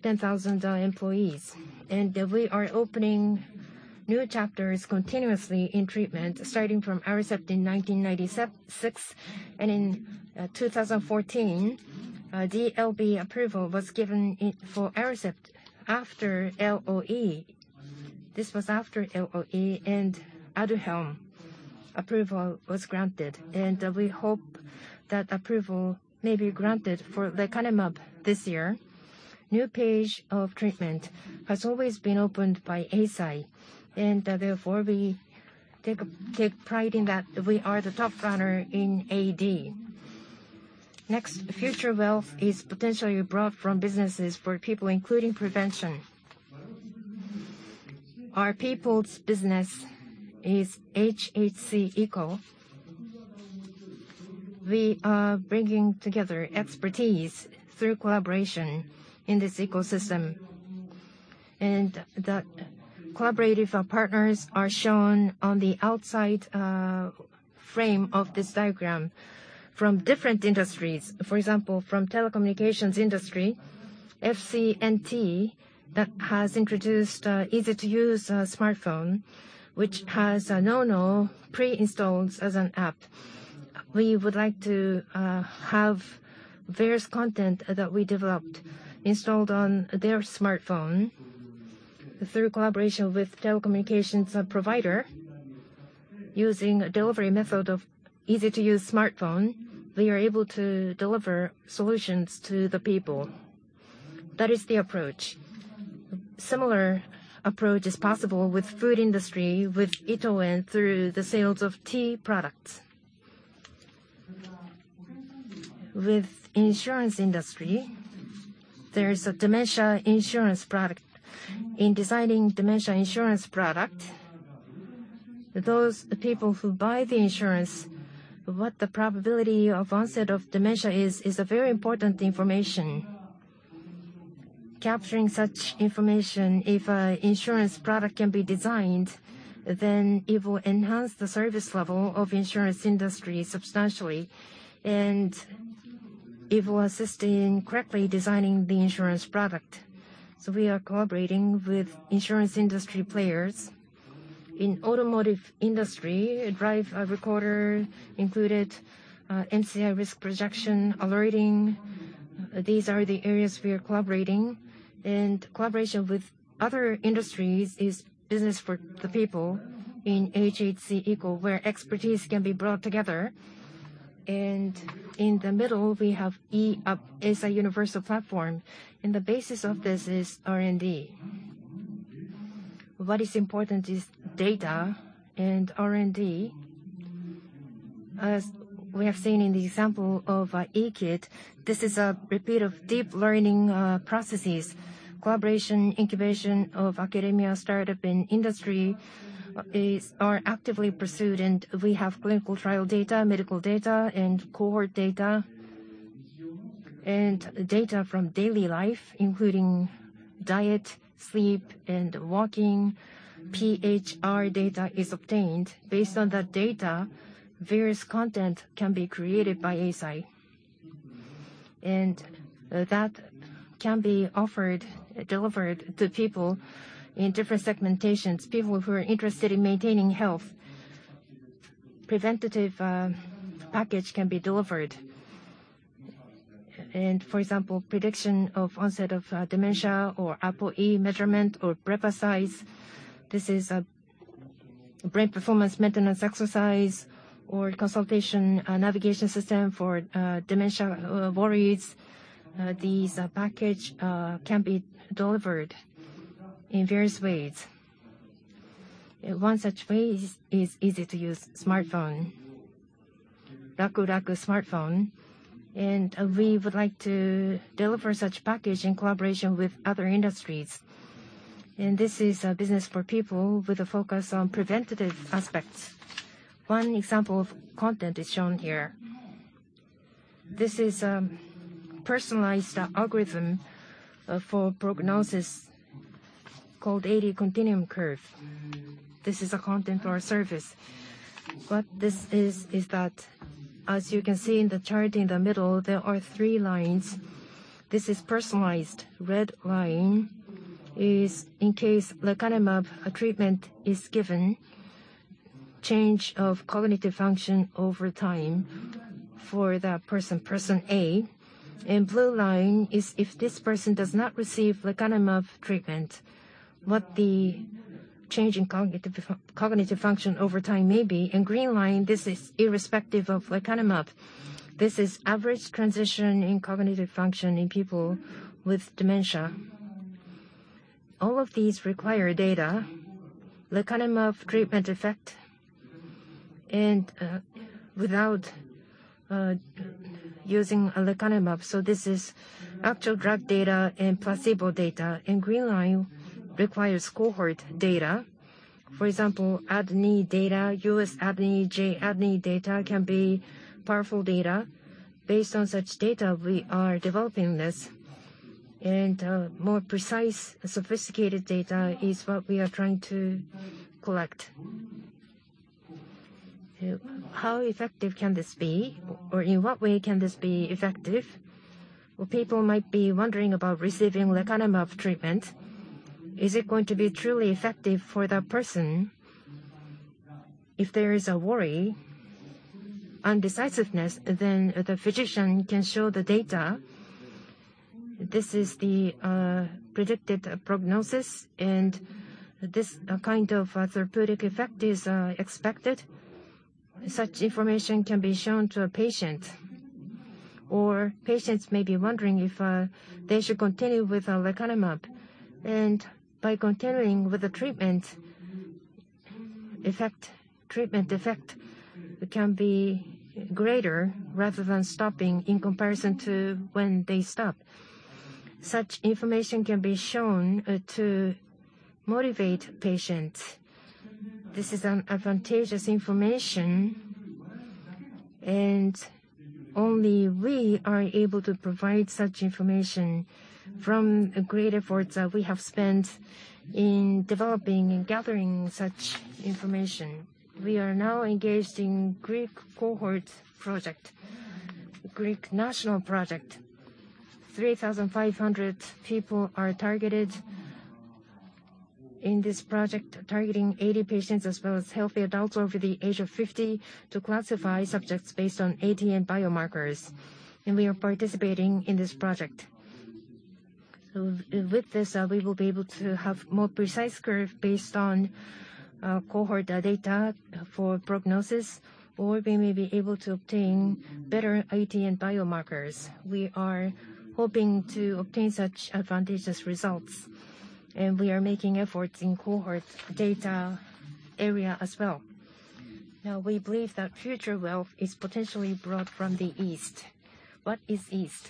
10,000 employees. We are opening new chapters continuously in treatment, starting from Aricept in 1996. In 2014, DLB approval was given for Aricept after LOE. This was after LOE, and Aduhelm approval was granted. We hope that approval may be granted for lecanemab this year. New page of treatment has always been opened by Eisai, and therefore we take pride in that we are the top runner in AD. Next, future wealth is potentially brought from businesses for people, including prevention. Our people's business is hhceco. We are bringing together expertise through collaboration in this ecosystem. The collaborative partners are shown on the outside frame of this diagram. From different industries, for example, from telecommunications industry, FCNT has introduced an easy-to-use smartphone, which has NouKNOW pre-installed as an app. We would like to have various content that we developed installed on their smartphone. Through collaboration with telecommunications provider, using a delivery method of easy-to-use smartphone, we are able to deliver solutions to the people. That is the approach. Similar approach is possible with food industry, with ITO EN through the sales of tea products. With insurance industry, there is a dementia insurance product. In designing dementia insurance product, those people who buy the insurance, what the probability of onset of dementia is a very important information. Capturing such information, if a insurance product can be designed, then it will enhance the service level of insurance industry substantially, and it will assist in correctly designing the insurance product. We are collaborating with insurance industry players. In automotive industry, a drive recorder included MCI risk projection alerting. These are the areas we are collaborating. Collaboration with other industries is business for the people in hhceco, where expertise can be brought together. In the middle, we have Eisai Universal Platform, and the basis of this is R&D. What is important is data and R&D. As we have seen in the example of EKID, this is a repeat of deep learning processes. Collaboration, incubation of academia, startup, and industry are actively pursued, and we have clinical trial data, medical data, and cohort data. Data from daily life, including diet, sleep, and walking. PHR data is obtained. Based on that data, various content can be created by Eisai. That can be offered, delivered to people in different segmentations. People who are interested in maintaining health, preventative package can be delivered. For example, prediction of onset of dementia or ApoE measurement or PREPAsize. This is a brain performance maintenance exercise or consultation, a navigation system for dementia worries. These package can be delivered in various ways. One such way is easy-to-use smartphone. Raku-Raku Smartphone. We would like to deliver such package in collaboration with other industries. This is a business for people with a focus on preventative aspects. One example of content is shown here. This is personalized algorithm for prognosis called AD Continuum Curve. This is a content for our service. What this is is that as you can see in the chart in the middle, there are three lines. This is personalized. Red line is in case lecanemab treatment is given, change of cognitive function over time for that person A. Blue line is if this person does not receive lecanemab treatment, what the change in cognitive function over time may be. Green line, this is irrespective of lecanemab. This is average transition in cognitive function in people with dementia. All of these require data, lecanemab treatment effect and without using lecanemab. This is actual drug data and placebo data. Green line requires cohort data. For example, ADNI data, U.S. ADNI, J-ADNI data can be powerful data. Based on such data, we are developing this. More precise, sophisticated data is what we are trying to collect. How effective can this be or in what way can this be effective? Well, people might be wondering about receiving lecanemab treatment. Is it going to be truly effective for that person? If there is a worry on decisiveness, then the physician can show the data. This is the predicted prognosis, and this kind of therapeutic effect is expected. Such information can be shown to a patient, or patients may be wondering if they should continue with lecanemab. By continuing with the treatment effect, treatment effect can be greater rather than stopping in comparison to when they stop. Such information can be shown to motivate patients. This is an advantageous information, and only we are able to provide such information from the great efforts that we have spent in developing and gathering such information. We are now engaged in GREEK cohort project, Greek national project. 3,500 people are targeted in this project, targeting AD patients as well as healthy adults over the age of 50 to classify subjects based on AD and biomarkers. We are participating in this project. With this, we will be able to have more precise curve based on cohort data for prognosis, or we may be able to obtain better AD and biomarkers. We are hoping to obtain such advantageous results, and we are making efforts in cohort data area as well. Now, we believe that future wealth is potentially brought from the East. What is East?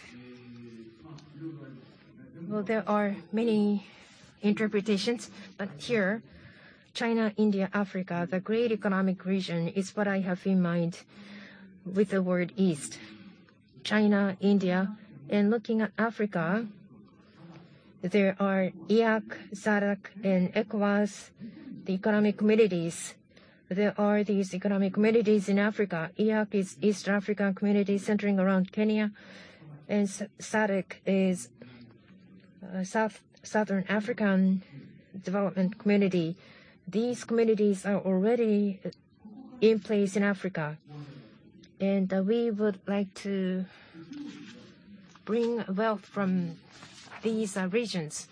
Well, there are many interpretations. Here, China, India, Africa, the great economic region is what I have in mind with the word East. China, India, and looking at Africa, there are EAC, SADC, and ECOWAS, the economic communities. There are these economic communities in Africa. EAC is East African Community centering around Kenya, and SADC is Southern African Development Community. These communities are already in place in Africa. We would like to bring wealth from these regions.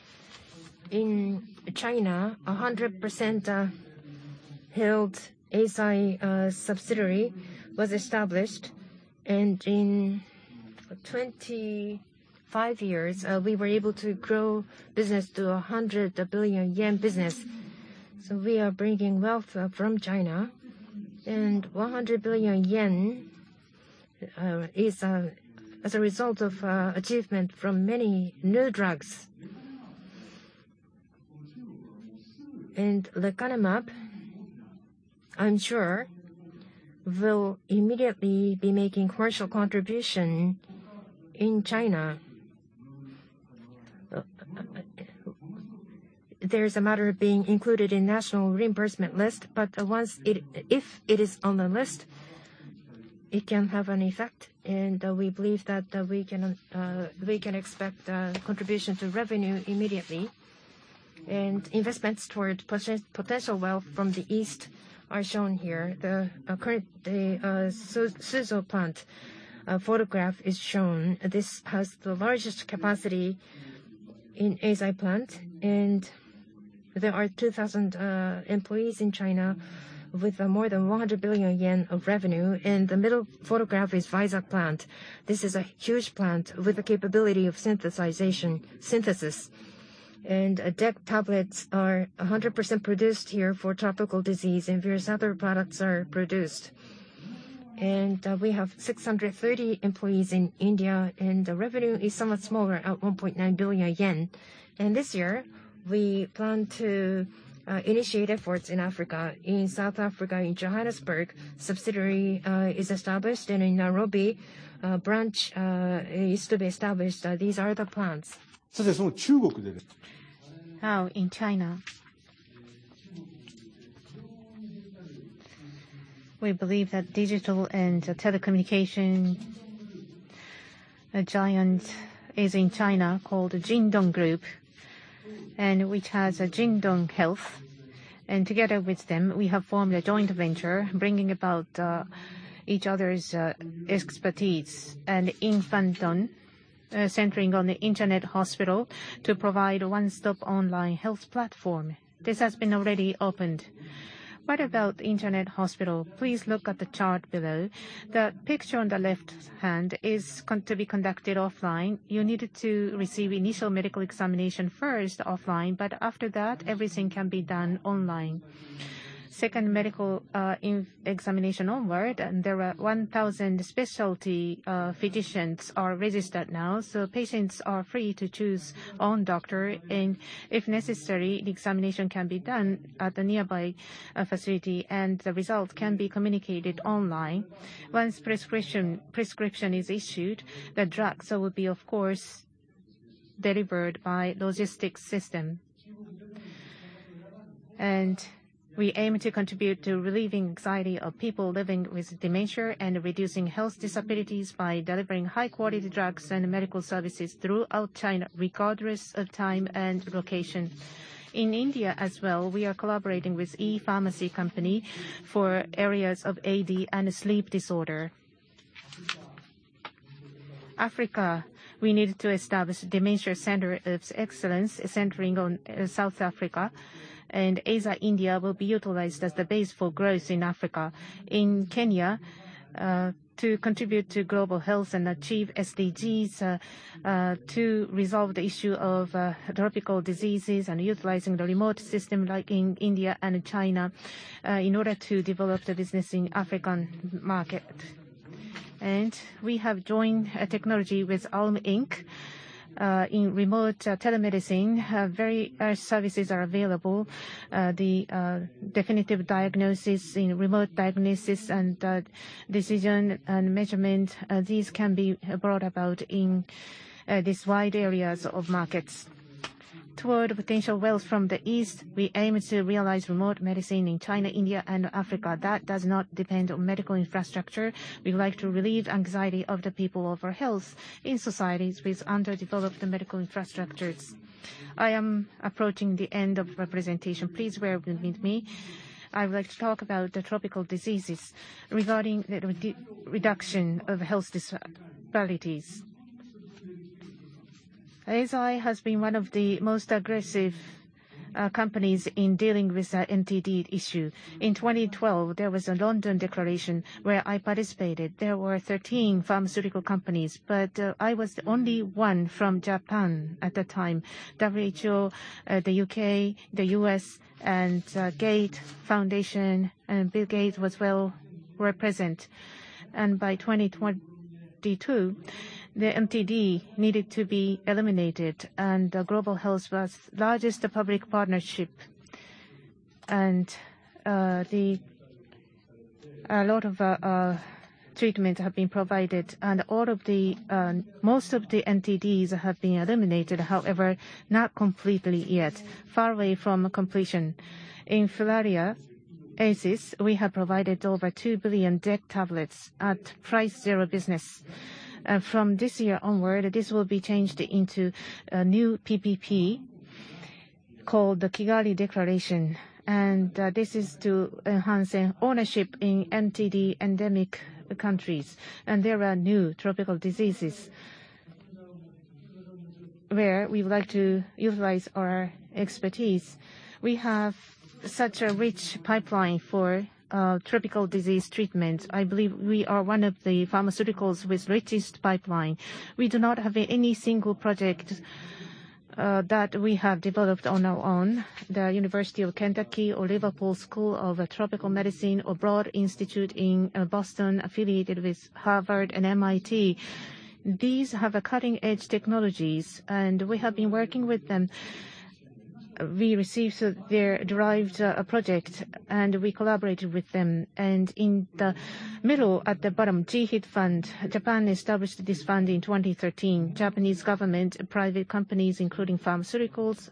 In China, a 100%-held Eisai subsidiary was established. In 25 years we were able to grow business to a 100 billion yen business. We are bringing wealth from China. 100 billion yen is as a result of achievement from many new drugs. Lecanemab, I'm sure, will immediately be making commercial contribution in China. There's a matter of being included in national reimbursement list. If it is on the list, it can have an effect, and we believe that we can expect contribution to revenue immediately. Investments towards potential wealth from the East are shown here. The current Suzhou plant photograph is shown. This has the largest capacity in Eisai plant, and there are 2,000 employees in China with more than 100 billion yen of revenue. The middle photograph is Vizag plant. This is a huge plant with the capability of synthesis. DEC Tablets are 100% produced here for tropical disease, and various other products are produced. We have 630 employees in India, and the revenue is somewhat smaller at 1.9 billion yen. This year, we plan to initiate efforts in Africa. In South Africa, in Johannesburg, a subsidiary is established, and in Nairobi, a branch is to be established. These are the plans. Now, in China. We believe that a digital and telecommunication giant is in China called Jingdong Group, and which has Jingdong Health. Together with them, we have formed a joint venture bringing about each other's expertise. In Fantan, centering on the internet hospital to provide a one-stop online health platform. This has been already opened. What about internet hospital? Please look at the chart below. The picture on the left hand is conducted offline. You need to receive initial medical examination first offline, but after that, everything can be done online. Second medical examination onward, and there are 1,000 specialty physicians registered now. Patients are free to choose own doctor, and if necessary, the examination can be done at the nearby facility, and the result can be communicated online. Once prescription is issued, the drugs will be of course delivered by logistics system. We aim to contribute to relieving anxiety of people living with dementia and reducing health disabilities by delivering high-quality drugs and medical services throughout China, regardless of time and location. In India as well, we are collaborating with e-pharmacy company for areas of AD and sleep disorder. Africa, we needed to establish Dementia Center of Excellence centering on South Africa, and Eisai India will be utilized as the base for growth in Africa. In Kenya, to contribute to global health and achieve SDGs, to resolve the issue of tropical diseases and utilizing the remote system like in India and China, in order to develop the business in African market. We have joined a technology with Allm Inc. In remote telemedicine, very services are available. The definitive diagnosis in remote diagnosis and decision and measurement, these can be brought about in these wide areas of markets. Toward potential health from the East, we aim to realize remote medicine in China, India and Africa that does not depend on medical infrastructure. We would like to relieve anxiety of the people over health in societies with underdeveloped medical infrastructures. I am approaching the end of my presentation. Please bear with me. I would like to talk about the tropical diseases regarding the reduction of health disparities. Eisai has been one of the most aggressive companies in dealing with the NTD issue. In 2012, there was a London Declaration where I participated. There were 13 pharmaceutical companies, but I was the only one from Japan at the time. WHO, the U.K., the U.S. and Gates Foundation and Bill Gates was well represented. By 2022, the NTD needed to be eliminated and the global health was largest public partnership. A lot of treatment have been provided and most of the NTDs have been eliminated. However, not completely yet. Far away from completion. In filariasis, Eisai, we have provided over 2 billion DEC Tablets at price zero business. From this year onward, this will be changed into a new PPP called the Kigali Declaration. This is to enhance an ownership in NTD endemic countries. There are new tropical diseases where we would like to utilize our expertise. We have such a rich pipeline for tropical disease treatment. I believe we are one of the pharmaceuticals with richest pipeline. We do not have any single project that we have developed on our own. The University of Kentucky, Liverpool School of Tropical Medicine, or Broad Institute in Boston, affiliated with Harvard and MIT. These have cutting-edge technologies, and we have been working with them. We received their derived project, and we collaborated with them. In the middle at the bottom, GHIT Fund. Japan established this fund in 2013. Japanese government, private companies, including pharmaceuticals,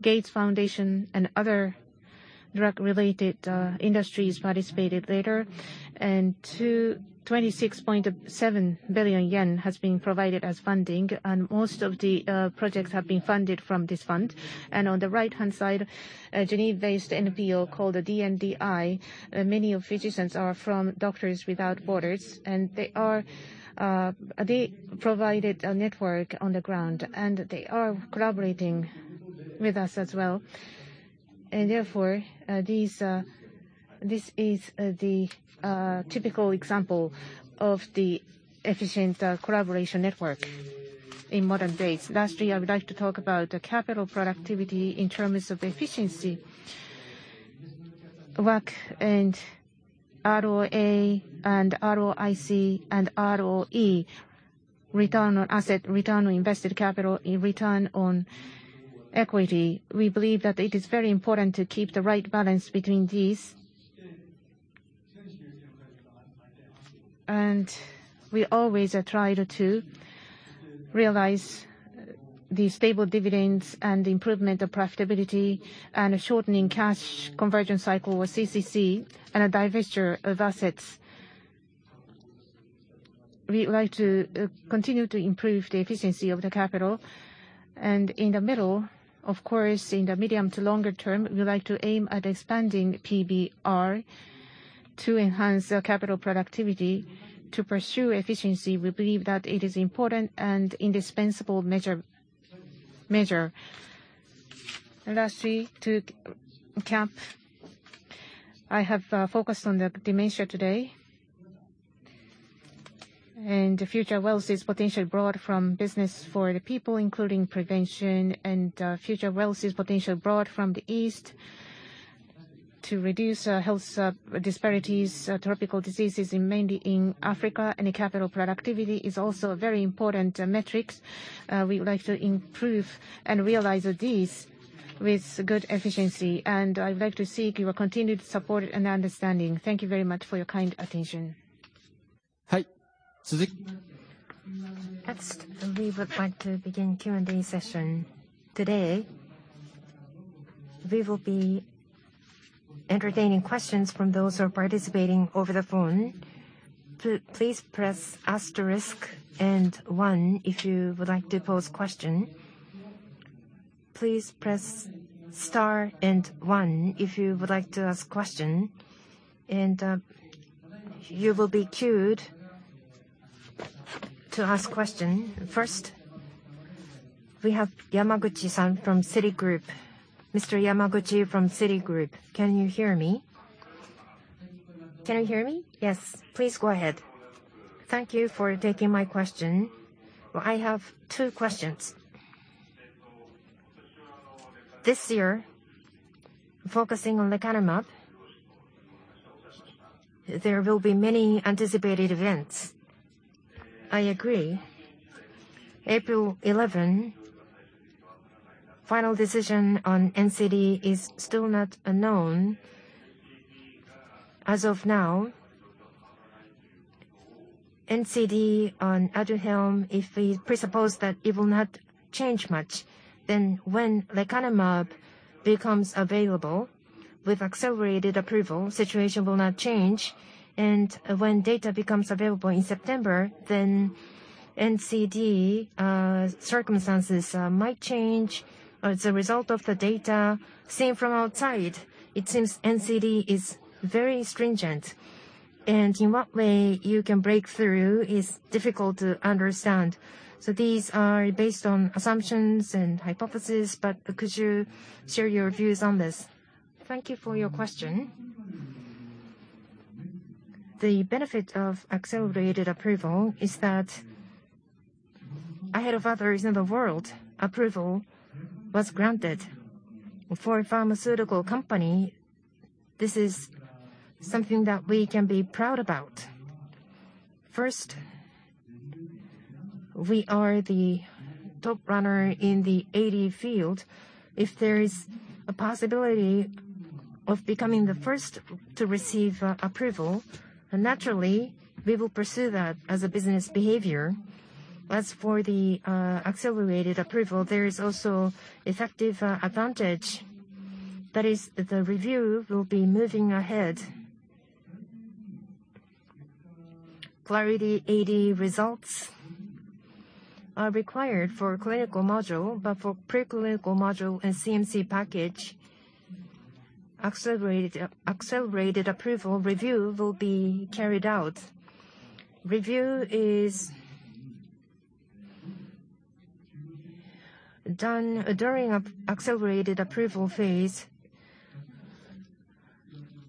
Gates Foundation and other drug-related industries participated later. 26.7 billion yen has been provided as funding, and most of the projects have been funded from this fund. On the right-hand side, a Geneva-based NPO called the DNDi. Many of the physicians are from Doctors Without Borders, and they provided a network on the ground, and they are collaborating with us as well. Therefore, this is the typical example of the efficient collaboration network in modern days. Lastly, I would like to talk about the capital productivity in terms of efficiency. ROAC and ROA and ROIC and ROE, return on assets, return on invested capital, and return on equity. We believe that it is very important to keep the right balance between these. We always have tried to realize the stable dividends and improvement of profitability and shortening cash conversion cycle, or CCC, and a divestiture of assets. We would like to continue to improve the efficiency of the capital. In the middle, of course, in the medium to longer term, we would like to aim at expanding PBR to enhance the capital productivity. To pursue efficiency, we believe that it is important and indispensable measure. Lastly, to cap, I have focused on the dementia today. The future wealth is potentially brought from business for the people, including prevention, and future wealth is potentially brought from Eisai to reduce health disparities, tropical diseases mainly in Africa. Capital productivity is also a very important metrics. We would like to improve and realize this with good efficiency. I would like to seek your continued support and understanding. Thank you very much for your kind attention. Next, we would like to begin Q&A session. Today, we will be entertaining questions from those who are participating over the phone. Please press asterisk and one if you would like to pose question. Please press star and one if you would like to ask question. You will be queued to ask question. First, we have Yamaguchi-san from Citigroup. Mr. Yamaguchi from Citigroup, can you hear me? Yes. Please go ahead. Thank you for taking my question. I have two questions. This year, focusing on lecanemab, there will be many anticipated events. I agree. April 11, final decision on NCD is still not known. As of now, NCD on Aduhelm, if we presuppose that it will not change much, then when lecanemab becomes available with accelerated approval, situation will not change. When data becomes available in September, then NCD circumstances might change as a result of the data. Seen from outside, it seems NCD is very stringent, and in what way you can break through is difficult to understand. These are based on assumptions and hypothesis, but could you share your views on this? Thank you for your question. The benefit of accelerated approval is that ahead of others in the world, approval was granted. For a pharmaceutical company, this is something that we can be proud about. First, we are the top runner in the AD field. If there is a possibility of becoming the first to receive approval, then naturally we will pursue that as a business behavior. As for the accelerated approval, there is also effective advantage. That is, the review will be moving ahead. Clarity AD results are required for clinical module, but for pre-clinical module and CMC package, accelerated approval review will be carried out. Review is done during a accelerated approval phase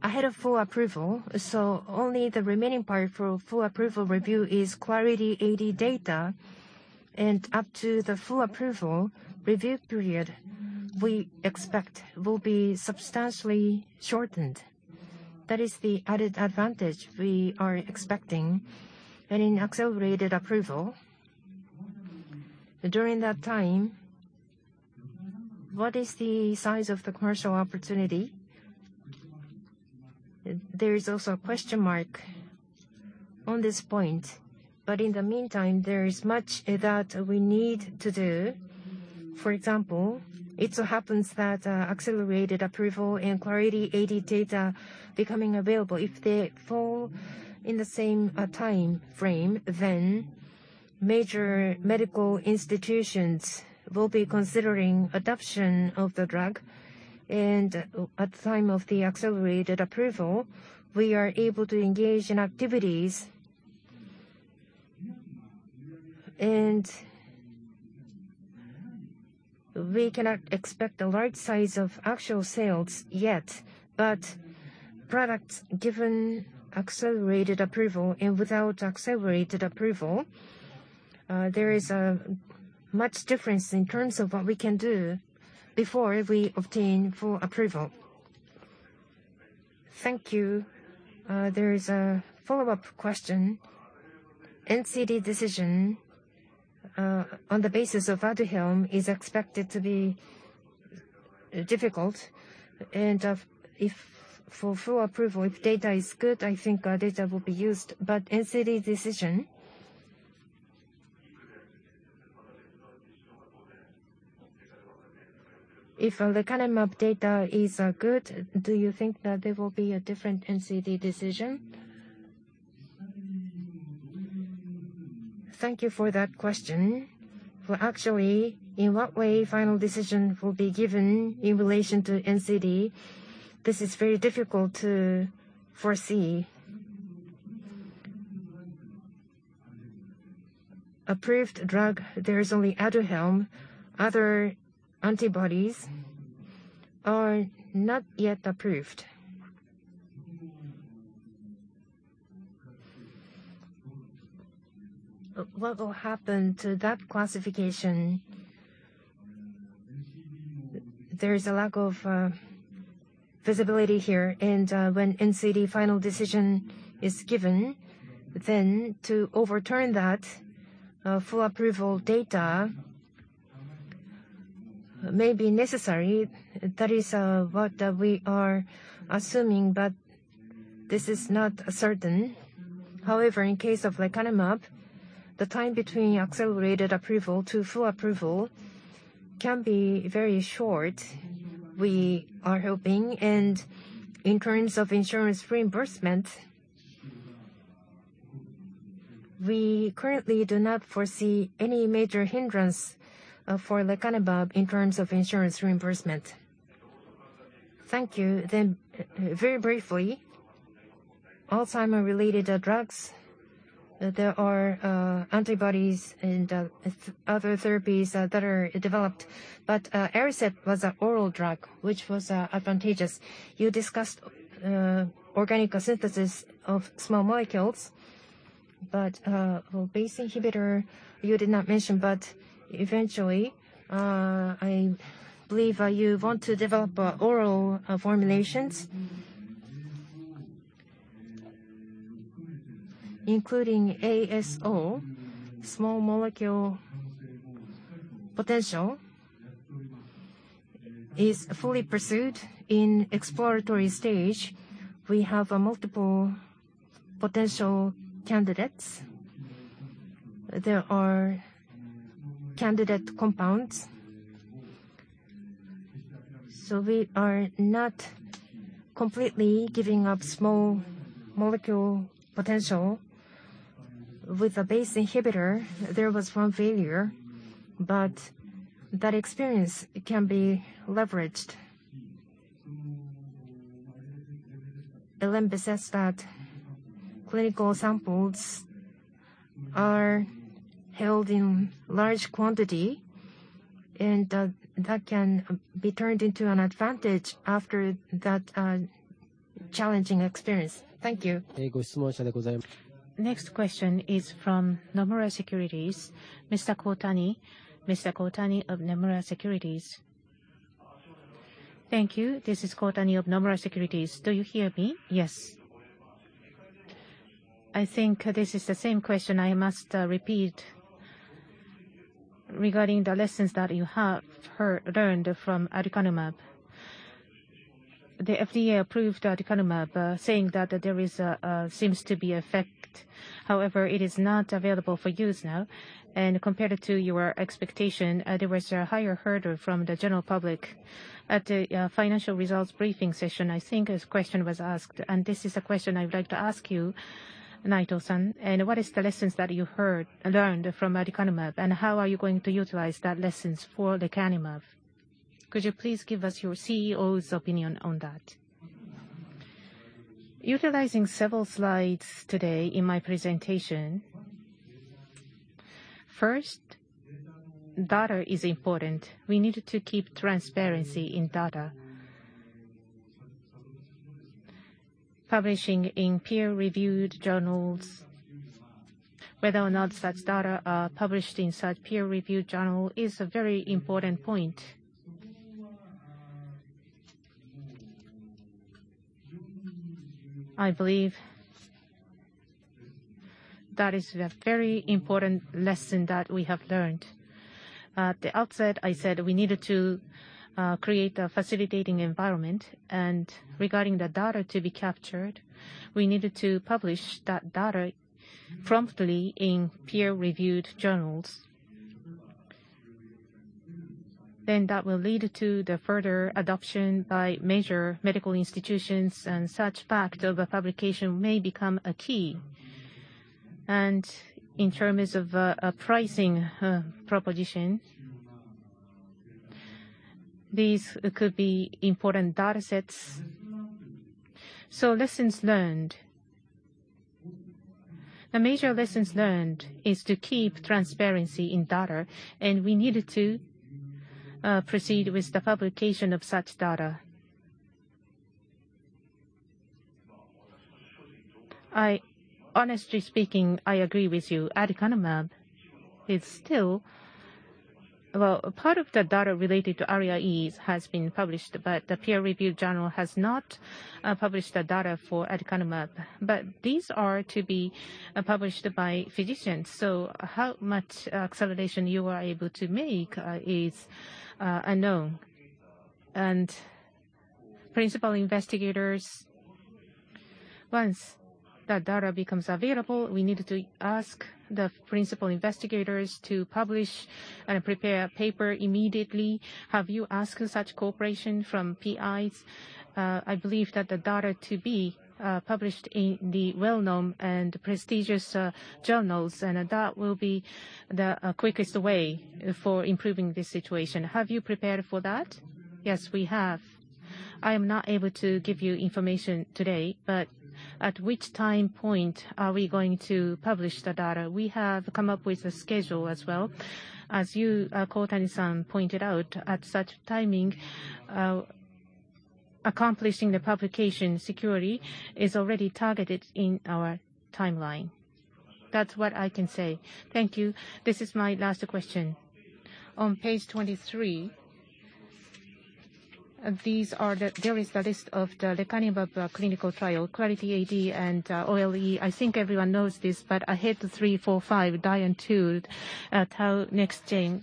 ahead of full approval. Only the remaining part for full approval review is Clarity AD data. Up to the full approval, review period, we expect, will be substantially shortened. That is the added advantage we are expecting. In accelerated approval, during that time, what is the size of the commercial opportunity? There is also a question mark on this point. In the meantime, there is much that we need to do. For example, it so happens that accelerated approval and Clarity AD data becoming available if they fall in the same time frame, then major medical institutions will be considering adoption of the drug. At time of the accelerated approval, we are able to engage in activities. We cannot expect the right size of actual sales yet. Products given accelerated approval and without accelerated approval, there is much difference in terms of what we can do before we obtain full approval. Thank you. There is a follow-up question. NCD decision on the basis of Aduhelm is expected to be difficult. Even if for full approval, if data is good, I think our data will be used. NCD decision. If lecanemab data is good, do you think that there will be a different NCD decision? Thank you for that question. Well, actually, in what way final decision will be given in relation to NCD, this is very difficult to foresee. Approved drug, there is only Aduhelm. Other antibodies are not yet approved. What will happen to that classification? There is a lack of visibility here. When NCD final decision is given, then to overturn that, full approval data may be necessary. That is what we are assuming, but this is not certain. However, in case of lecanemab, the time between accelerated approval to full approval can be very short. We are hoping. In terms of insurance reimbursement, we currently do not foresee any major hindrance for lecanemab in terms of insurance reimbursement. Thank you. Very briefly, Alzheimer's-related drugs. There are antibodies and other therapies that are developed. Aricept was an oral drug, which was advantageous. You discussed organic synthesis of small molecules. BACE inhibitor you did not mention. Eventually, I believe you want to develop oral formulations. Including ASO, small molecule potential is fully pursued. In exploratory stage, we have multiple potential candidates. There are candidate compounds. We are not completely giving up small molecule potential. With the BACE inhibitor, there was one failure, but that experience can be leveraged. Eisai possesses that. Clinical samples are held in large quantity, and that can be turned into an advantage after that challenging experience. Thank you. Next question is from Nomura Securities. Mr. Kohtani of Nomura Securities. Thank you. This is Mr. Kohtani of Nomura Securities. Do you hear me? Yes. I think this is the same question I must repeat regarding the lessons that you have learned from aducanumab. The FDA approved aducanumab, saying that seems to be effect. However, it is not available for use now. Compared to your expectation, there was a higher hurdle from the general public. At the financial results briefing session, I think this question was asked, and this is a question I would like to ask you, Mr. Haruo Naito. What is the lessons that you learned from aducanumab, and how are you going to utilize that lessons for lecanemab? Could you please give us your CEO's opinion on that? Utilizing several slides today in my presentation. First, data is important. We needed to keep transparency in data. Publishing in peer-reviewed journals, whether or not such data are published in such peer-reviewed journal is a very important point. I believe that is a very important lesson that we have learned. At the outset, I said we needed to create a facilitating environment. Regarding the data to be captured, we needed to publish that data promptly in peer-reviewed journals. That will lead to the further adoption by major medical institutions, and such fact of a publication may become a key. In terms of a pricing proposition. These could be important data sets. Lessons learned. The major lessons learned is to keep transparency in data, and we needed to proceed with the publication of such data. Honestly speaking, I agree with you. Aducanumab is still. Well, part of the data related to ARIA-E has been published, but the peer review journal has not published the data for aducanumab. These are to be published by physicians. How much acceleration you are able to make is unknown. Principal investigators, once that data becomes available, we needed to ask the principal investigators to publish and prepare a paper immediately. Have you asked such cooperation from PIs? I believe that the data to be published in the well-known and prestigious journals, and that will be the quickest way for improving this situation. Have you prepared for that? Yes, we have. I am not able to give you information today, but at which time point are we going to publish the data? We have come up with a schedule as well. As you, Kohtani-san pointed out, at such timing, accomplishing the publication securely is already targeted in our timeline. That's what I can say. Thank you. This is my last question. On page 23, there is the list of the lecanemab clinical trial, Clarity AD and OLE. I think everyone knows this, but AHEAD 3-45, DIAN-TU, Tau NexGen.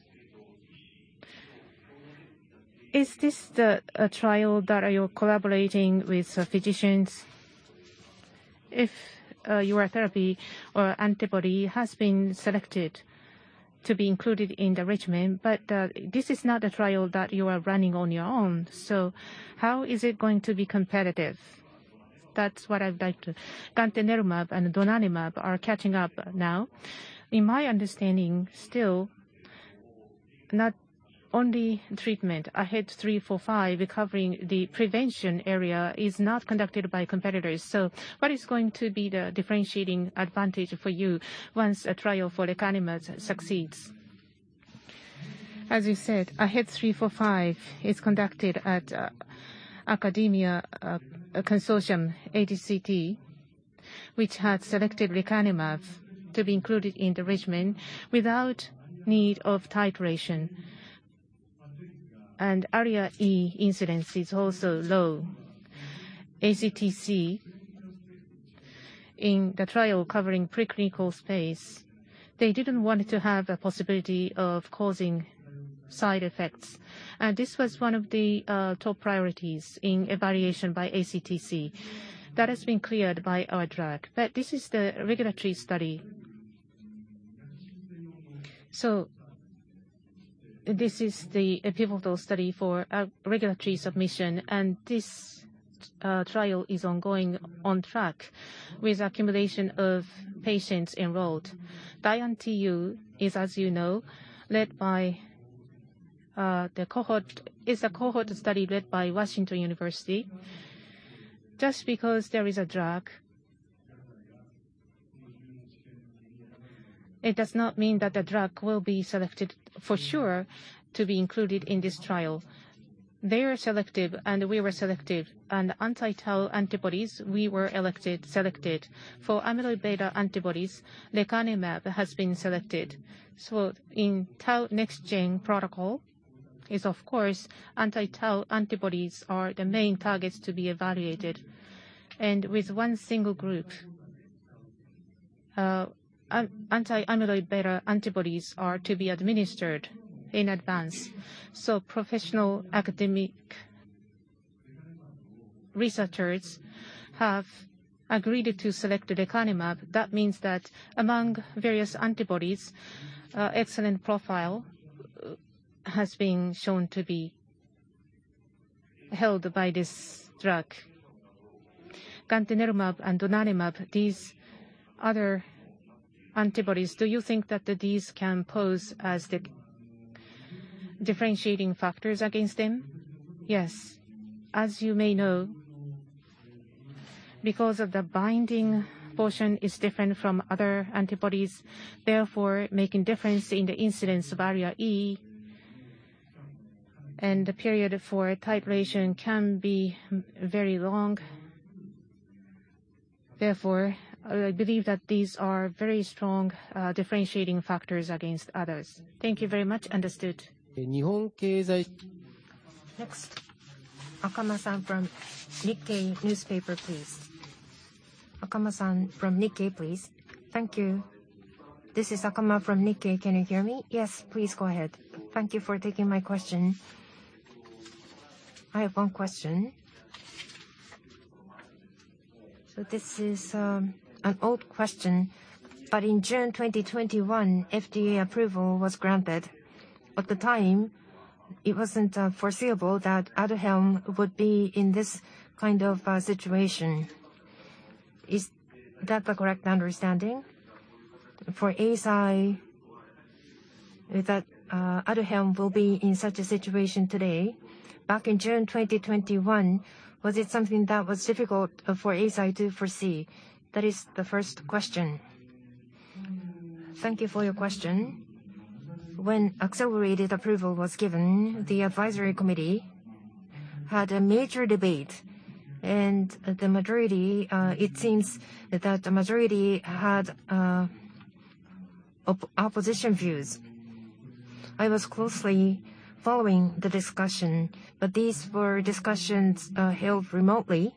Is this the trial that you're collaborating with physicians? If your therapy or antibody has been selected to be included in the regimen, but this is not a trial that you are running on your own, so how is it going to be competitive? That's what I'd like to gantenerumab and donanemab are catching up now. In my understanding, still, not only treatment, AHEAD 3-45 covering the prevention area is not conducted by competitors. What is going to be the differentiating advantage for you once a trial for lecanemab succeeds? As you said, AHEAD 3-45 is conducted at an academic consortium, ACTC, which had selected lecanemab to be included in the regimen without need of titration. ARIA-E incidence is also low. ACTC, in the trial covering preclinical space, they didn't want to have a possibility of causing side effects. This was one of the top priorities in evaluation by ACTC. That has been cleared by our drug. This is the regulatory study. This is the pivotal study for a regulatory submission, and this trial is ongoing on track with accumulation of patients enrolled. DIAN-TU is, as you know, led by the cohort, is a cohort study led by Washington University. Just because there is a drug, it does not mean that the drug will be selected for sure to be included in this trial. They are selective, and we were selective. Anti-tau antibodies, we were selected. For amyloid beta antibodies, lecanemab has been selected. In Tau NexGen protocol is of course anti-tau antibodies are the main targets to be evaluated. With one single group, anti-amyloid beta antibodies are to be administered in advance. Professional academic researchers have agreed to select lecanemab. That means that among various antibodies, excellent profile has been shown to be held by this drug. Gantenerumab and donanemab, these other antibodies, do you think that, these can pose as the differentiating factors against them? Yes. As you may know, because of the binding portion is different from other antibodies, therefore making difference in the incidence of ARIA-E and the period for titration can be very long. Therefore, I believe that these are very strong, differentiating factors against others. Thank you very much. Understood. Next, Akama-san from Nikkei newspaper, please. Akama-san from Nikkei, please. Thank you. This is Akama from Nikkei. Can you hear me? Yes. Please go ahead. Thank you for taking my question. I have one question. This is, an old question. In June 2021, FDA approval was granted. At the time, it wasn't foreseeable that Aduhelm would be in this kind of situation. Is that the correct understanding? For Eisai, is that Aduhelm will be in such a situation today. Back in June 2021, was it something that was difficult for Eisai to foresee? That is the first question. Thank you for your question. When accelerated approval was given, the advisory committee had a major debate. The majority, it seems that the majority had opposition views. I was closely following the discussion, but these were discussions held remotely.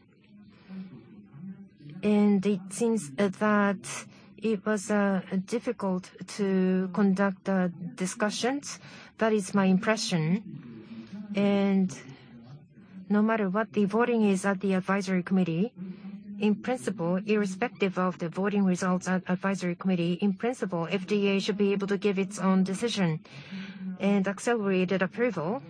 It seems that it was difficult to conduct the discussions. That is my impression. No matter what the voting is at the advisory committee, in principle, irrespective of the voting results at advisory committee, in principle, FDA should be able to give its own decision. Accelerated approval,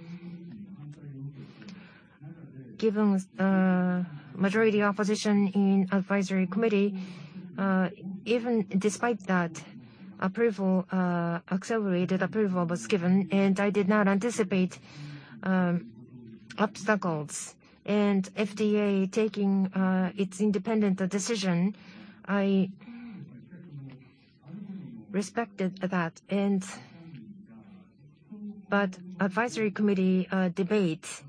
given the majority opposition in advisory committee, even despite that approval, accelerated approval was given, and I did not anticipate obstacles. FDA taking its independent decision, I respected that. Advisory committee debate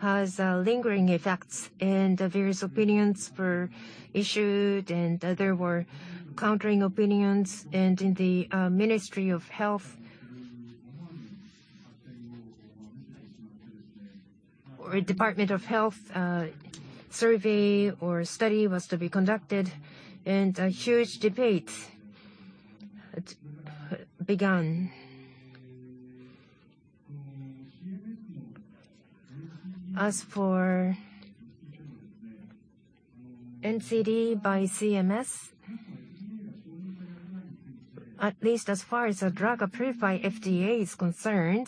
has lingering effects, and various opinions were issued, and there were countering opinions. In the Ministry of Health or Department of Health, survey or study was to be conducted, and a huge debate began. As for MCD by CMS, at least as far as the drug approved by FDA is concerned,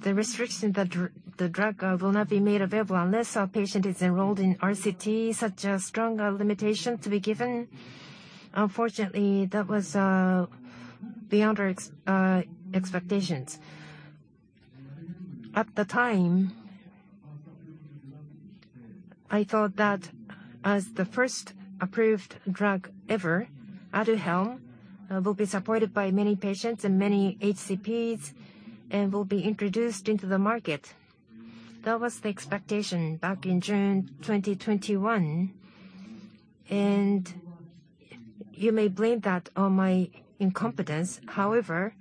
the restriction that the drug will not be made available unless a patient is enrolled in RCT, such a strong limitation to be given. Unfortunately, that was beyond our expectations. At the time, I thought that as the first approved drug ever, Aduhelm, will be supported by many patients and many HCPs and will be introduced into the market. That was the expectation back in June 2021. You may blame that on my incompetence. However,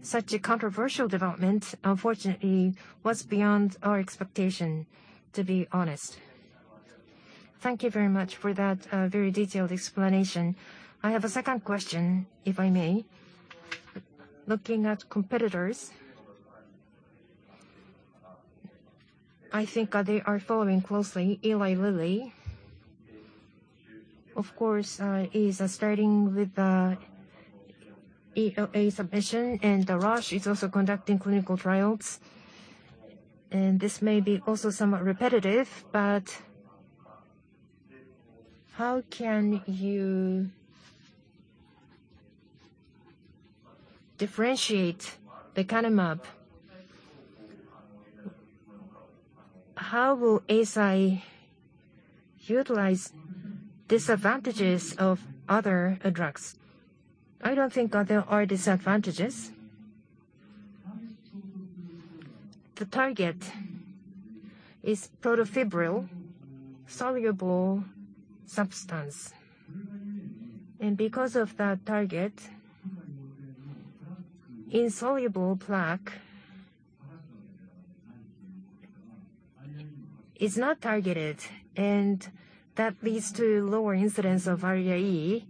such a controversial development, unfortunately, was beyond our expectation, to be honest. Thank you very much for that, very detailed explanation. I have a second question, if I may. Looking at competitors, I think, they are following closely. Eli Lilly, of course, is starting with, BLA submission, and, Roche is also conducting clinical trials. This may be also somewhat repetitive, but how can you differentiate lecanemab? How will Eisai utilize disadvantages of other, drugs? I don't think, there are disadvantages. The target is protofibril soluble substance. Because of that target, insoluble plaque is not targeted, and that leads to lower incidence of ARIA-E.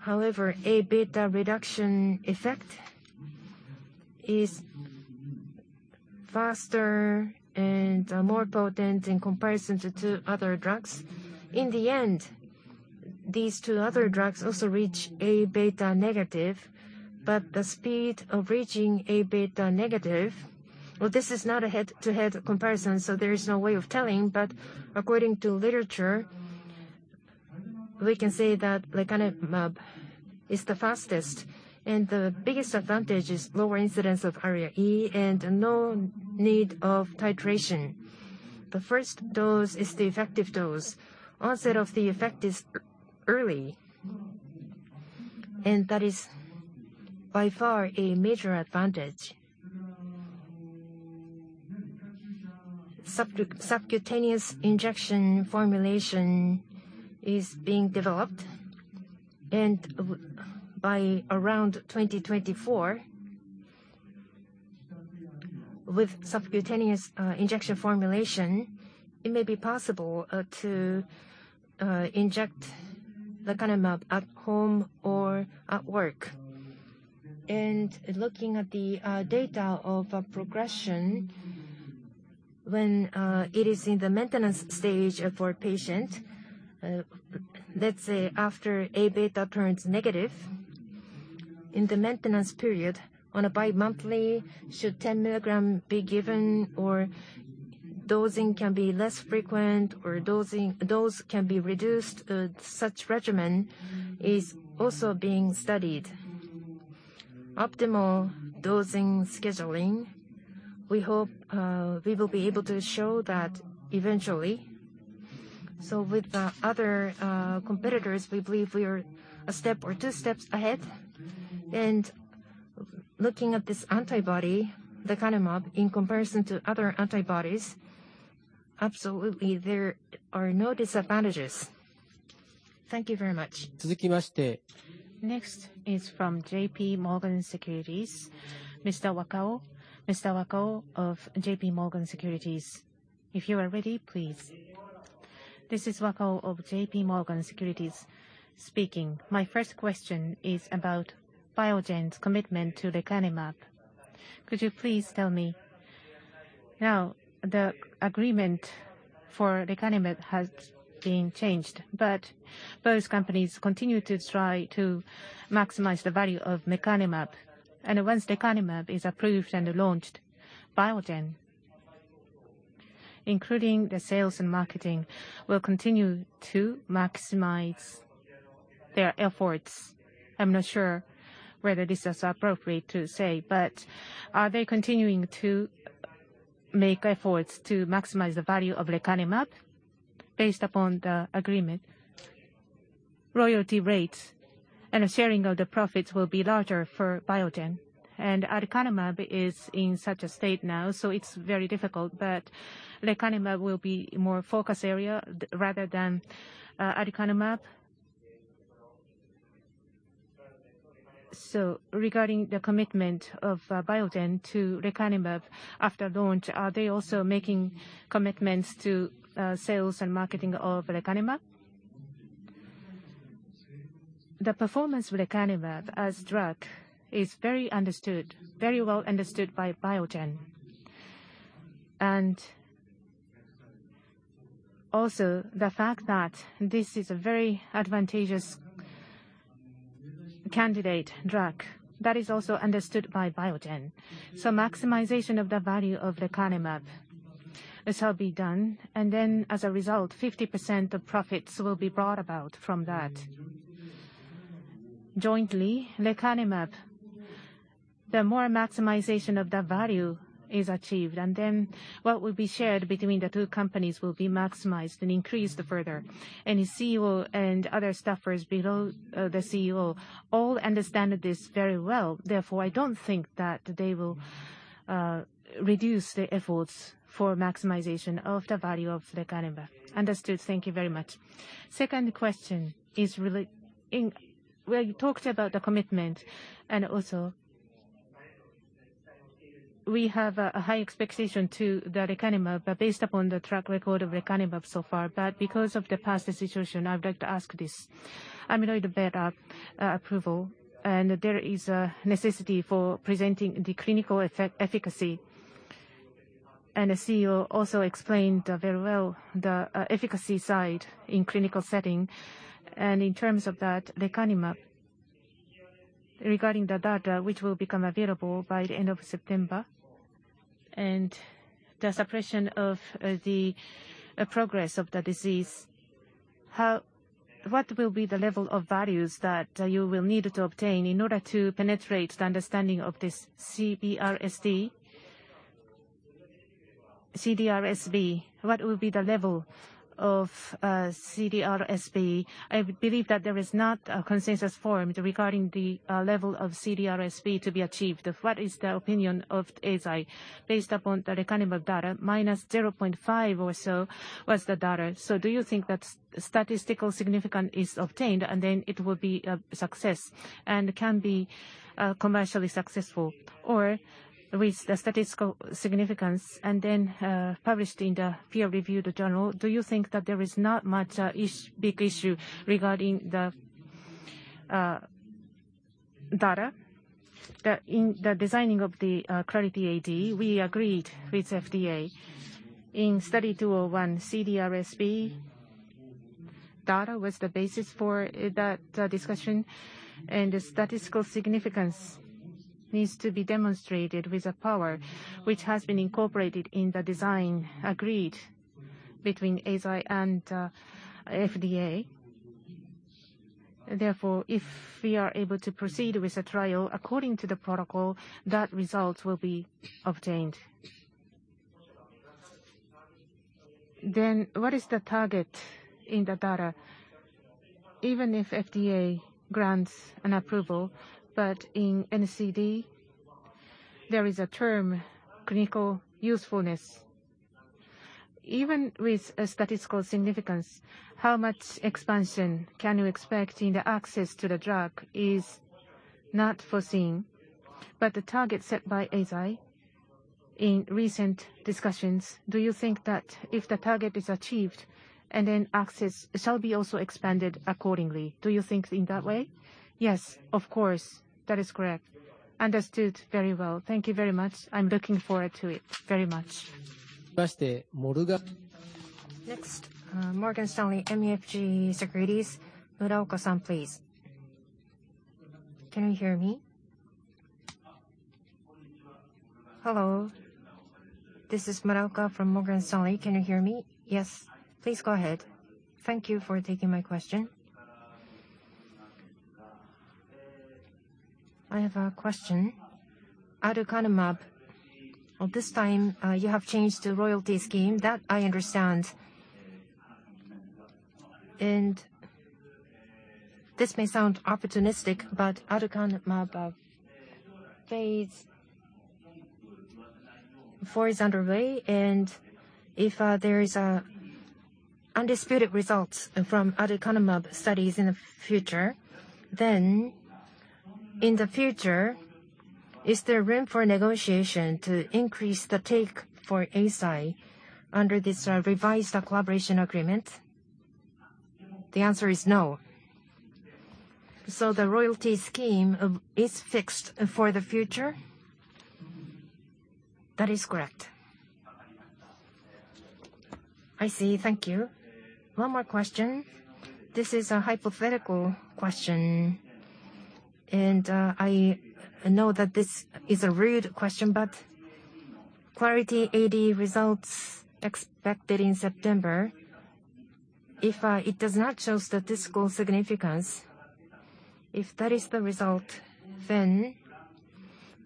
However, A-beta reduction effect is faster and more potent in comparison to other drugs. In the end, these two other drugs also reach A-beta negative, but the speed of reaching A-beta negative. Well, this is not a head-to-head comparison, so there is no way of telling. According to literature, we can say that lecanemab is the fastest. The biggest advantage is lower incidence of ARIA-E and no need of titration. The first dose is the effective dose. Onset of the effect is early, and that is by far a major advantage. Subcutaneous injection formulation is being developed. By around 2024, with subcutaneous injection formulation, it may be possible to inject lecanemab at home or at work. Looking at the data of progression, when it is in the maintenance stage for a patient, let's say after A-beta turns negative. In the maintenance period, on a bi-monthly, should 10 milligram be given or dosing can be less frequent or dosing, dose can be reduced. Such regimen is also being studied. Optimal dosing scheduling, we hope, we will be able to show that eventually. With the other competitors, we believe we are a step or two steps ahead. Looking at this antibody, lecanemab, in comparison to other antibodies, absolutely there are no disadvantages. Thank you very much. Next is from JPMorgan Securities. Mr. Wakao. Mr. Wakao of JPMorgan Securities, if you are ready, please. This is Wakao of JPMorgan Securities speaking. My first question is about Biogen's commitment to lecanemab. Could you please tell me now, the agreement for lecanemab has been changed, but both companies continue to try to maximize the value of lecanemab. Once lecanemab is approved and launched, Biogen, including the sales and marketing, will continue to maximize their efforts. I'm not sure whether this is appropriate to say, but are they continuing to make efforts to maximize the value of lecanemab based upon the agreement? Royalty rates and sharing of the profits will be larger for Biogen. Aducanumab is in such a state now, so it's very difficult. Lecanemab will be more focus area rather than aducanumab. Regarding the commitment of Biogen to lecanemab after launch, are they also making commitments to sales and marketing of lecanemab? The performance with lecanemab as drug is very understood, very well understood by Biogen. Also the fact that this is a very advantageous candidate drug, that is also understood by Biogen. Maximization of the value of lecanemab shall be done, and then as a result, 50% of profits will be brought about from that. Jointly, lecanemab, the more maximization of the value is achieved, and then what will be shared between the two companies will be maximized and increased further. The CEO and other staffers below, the CEO all understand this very well. Therefore, I don't think that they will reduce the efforts for maximization of the value of lecanemab. Understood. Thank you very much. Second question is re-in... Well, you talked about the commitment and also we have a high expectation to the lecanemab, but based upon the track record of lecanemab so far. Because of the past situation, I would like to ask this. Amyloid beta approval, and there is a necessity for presenting the clinical effect efficacy. The CEO also explained very well the efficacy side in clinical setting. In terms of that, lecanemab, regarding the data which will become available by the end of September and the suppression of the progress of the disease, what will be the level of values that you will need to obtain in order to penetrate the understanding of this CDR-SB? CDR-SB. What will be the level of CDR-SB? I believe that there is not a consensus formed regarding the level of CDR-SB to be achieved. What is the opinion of Eisai based upon the lecanemab data? -0.5 or so was the data. Do you think that statistical significance is obtained and then it will be a success and can be commercially successful? Or with the statistical significance and then published in the peer-reviewed journal, do you think that there is not much big issue regarding the data? In the designing of the Clarity AD, we agreed with FDA. In study 201, CDRSB data was the basis for that discussion. The statistical significance needs to be demonstrated with a power which has been incorporated in the design agreed between Eisai and FDA. Therefore, if we are able to proceed with the trial according to the protocol, that result will be obtained. What is the target in the data? Even if FDA grants an approval, but in NCD there is a term, clinical usefulness. Even with a statistical significance, how much expansion can you expect in the access to the drug is not foreseen. The target set by Eisai in recent discussions, do you think that if the target is achieved and then access shall be also expanded accordingly? Do you think in that way? Yes, of course. That is correct. Understood very well. Thank you very much. I'm looking forward to it very much. Next, Morgan Stanley MUFG Securities, Muraoka-san, please. Can you hear me? Hello. This is Muraoka from Morgan Stanley. Can you hear me? Yes. Please go ahead. Thank you for taking my question. I have a question. Aducanumab. At this time, you have changed the royalty scheme. That I understand. This may sound opportunistic, but aducanumab phase IV is underway, and if there is undisputed results from aducanumab studies in the future, then in the future, is there room for negotiation to increase the take for Eisai under this revised collaboration agreement? The answer is no. The royalty scheme is fixed for the future? That is correct. I see. Thank you. One more question. This is a hypothetical question, and I know that this is a rude question, but Clarity AD results expected in September, if it does not show statistical significance, if that is the result, then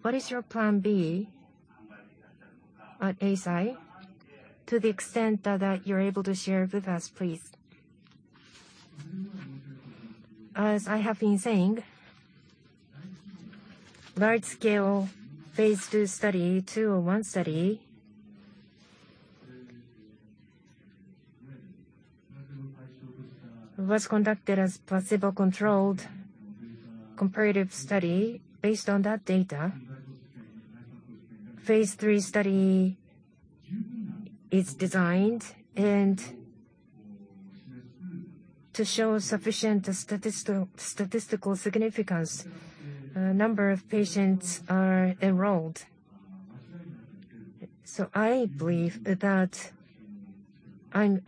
what is your plan B at Eisai to the extent that you're able to share with us, please? As I have been saying, large-scale phase II study or phase I study was conducted as placebo-controlled comparative study. Based on that data, phase III study is designed and to show sufficient statistical significance, a number of patients are enrolled. I believe that I'm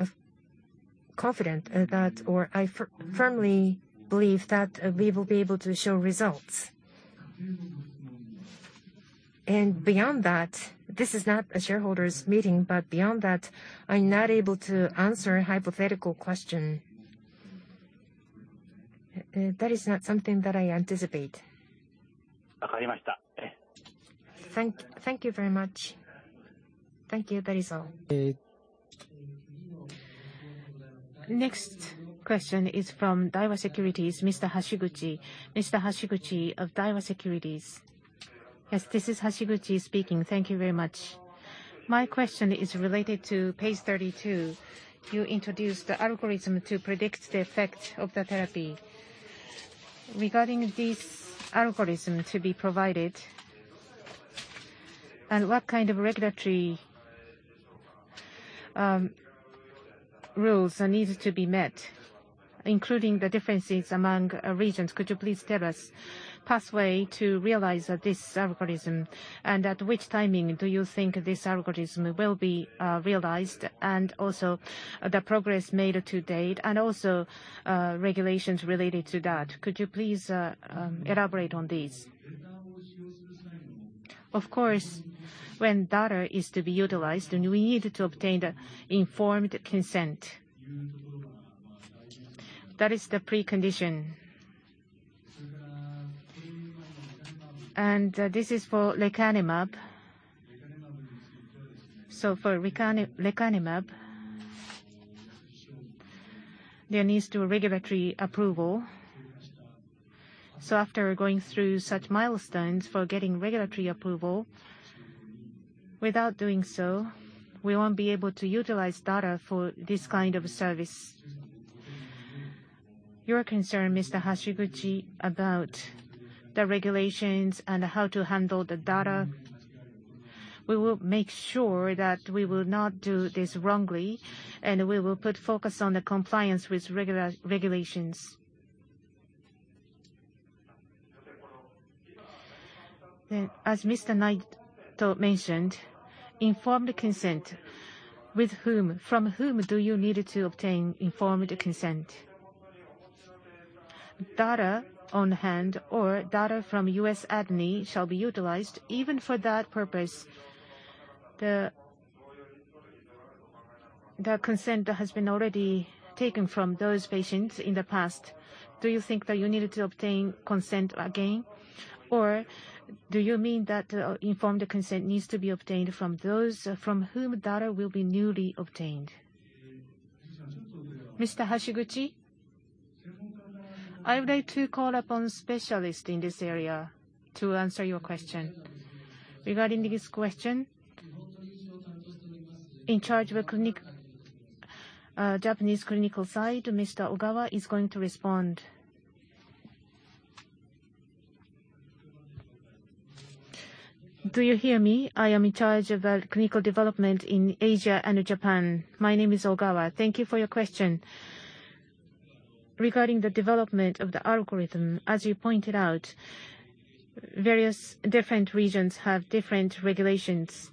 confident that, or I firmly believe that we will be able to show results. Beyond that, this is not a shareholders' meeting, but beyond that, I'm not able to answer a hypothetical question. That is not something that I anticipate. Thank you very much. Thank you. That is all. Next question is from Daiwa Securities, Mr. Hashiguchi. Mr. Hashiguchi of Daiwa Securities. Yes, this is Hashiguchi speaking. Thank you very much. My question is related to page 32. You introduced the algorithm to predict the effect of the therapy. Regarding this algorithm to be provided, and what kind of regulatory rules are needed to be met, including the differences among regions, could you please tell us pathway to realize this algorithm? And at which timing do you think this algorithm will be realized? And also the progress made to date and also regulations related to that. Could you please elaborate on these? Of course, when data is to be utilized, then we need to obtain the informed consent. That is the precondition. This is for lecanemab. For lecanemab, there needs to be a regulatory approval. After going through such milestones for getting regulatory approval, without doing so, we won't be able to utilize data for this kind of service. Your concern, Mr. Hashiguchi, about the regulations and how to handle the data, we will make sure that we will not do this wrongly, and we will put focus on the compliance with regulations. As Mr. Naito mentioned, informed consent. With whom, from whom do you need to obtain informed consent? Data on hand or data from U.S. ADNI shall be utilized. Even for that purpose, the consent has been already taken from those patients in the past. Do you think that you need to obtain consent again? Or do you mean that informed consent needs to be obtained from those from whom data will be newly obtained? Mr. Hashiguchi, I would like to call upon specialist in this area to answer your question. Regarding this question, in charge of clinic, Japanese clinical side, Mr. Ogawa is going to respond. Do you hear me? I am in charge of clinical development in Asia and Japan. My name is Ogawa. Thank you for your question. Regarding the development of the algorithm, as you pointed out, various different regions have different regulations.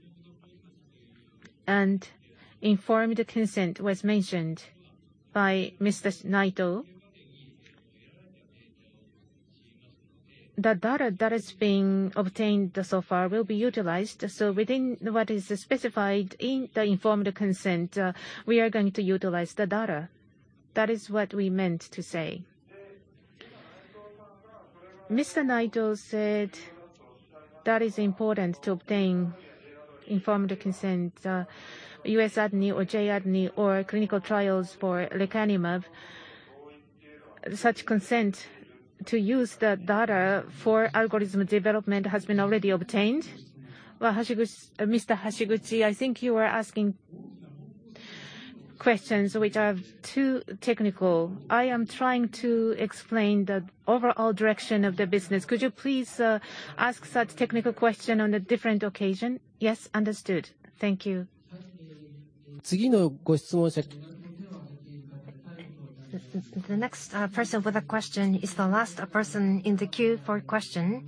Informed consent was mentioned by Mr. Naito. The data that is being obtained so far will be utilized. Within what is specified in the informed consent, we are going to utilize the data. That is what we meant to say. Mr. Naito said that is important to obtain informed consent, U.S. ADNI or J-ADNI or clinical trials for lecanemab. Such consent to use the data for algorithm development has been already obtained. Mr. Hashiguchi, I think you are asking questions which are too technical. I am trying to explain the overall direction of the business. Could you please ask such technical question on a different occasion? Yes, understood. Thank you. The next person with a question is the last person in the queue for question,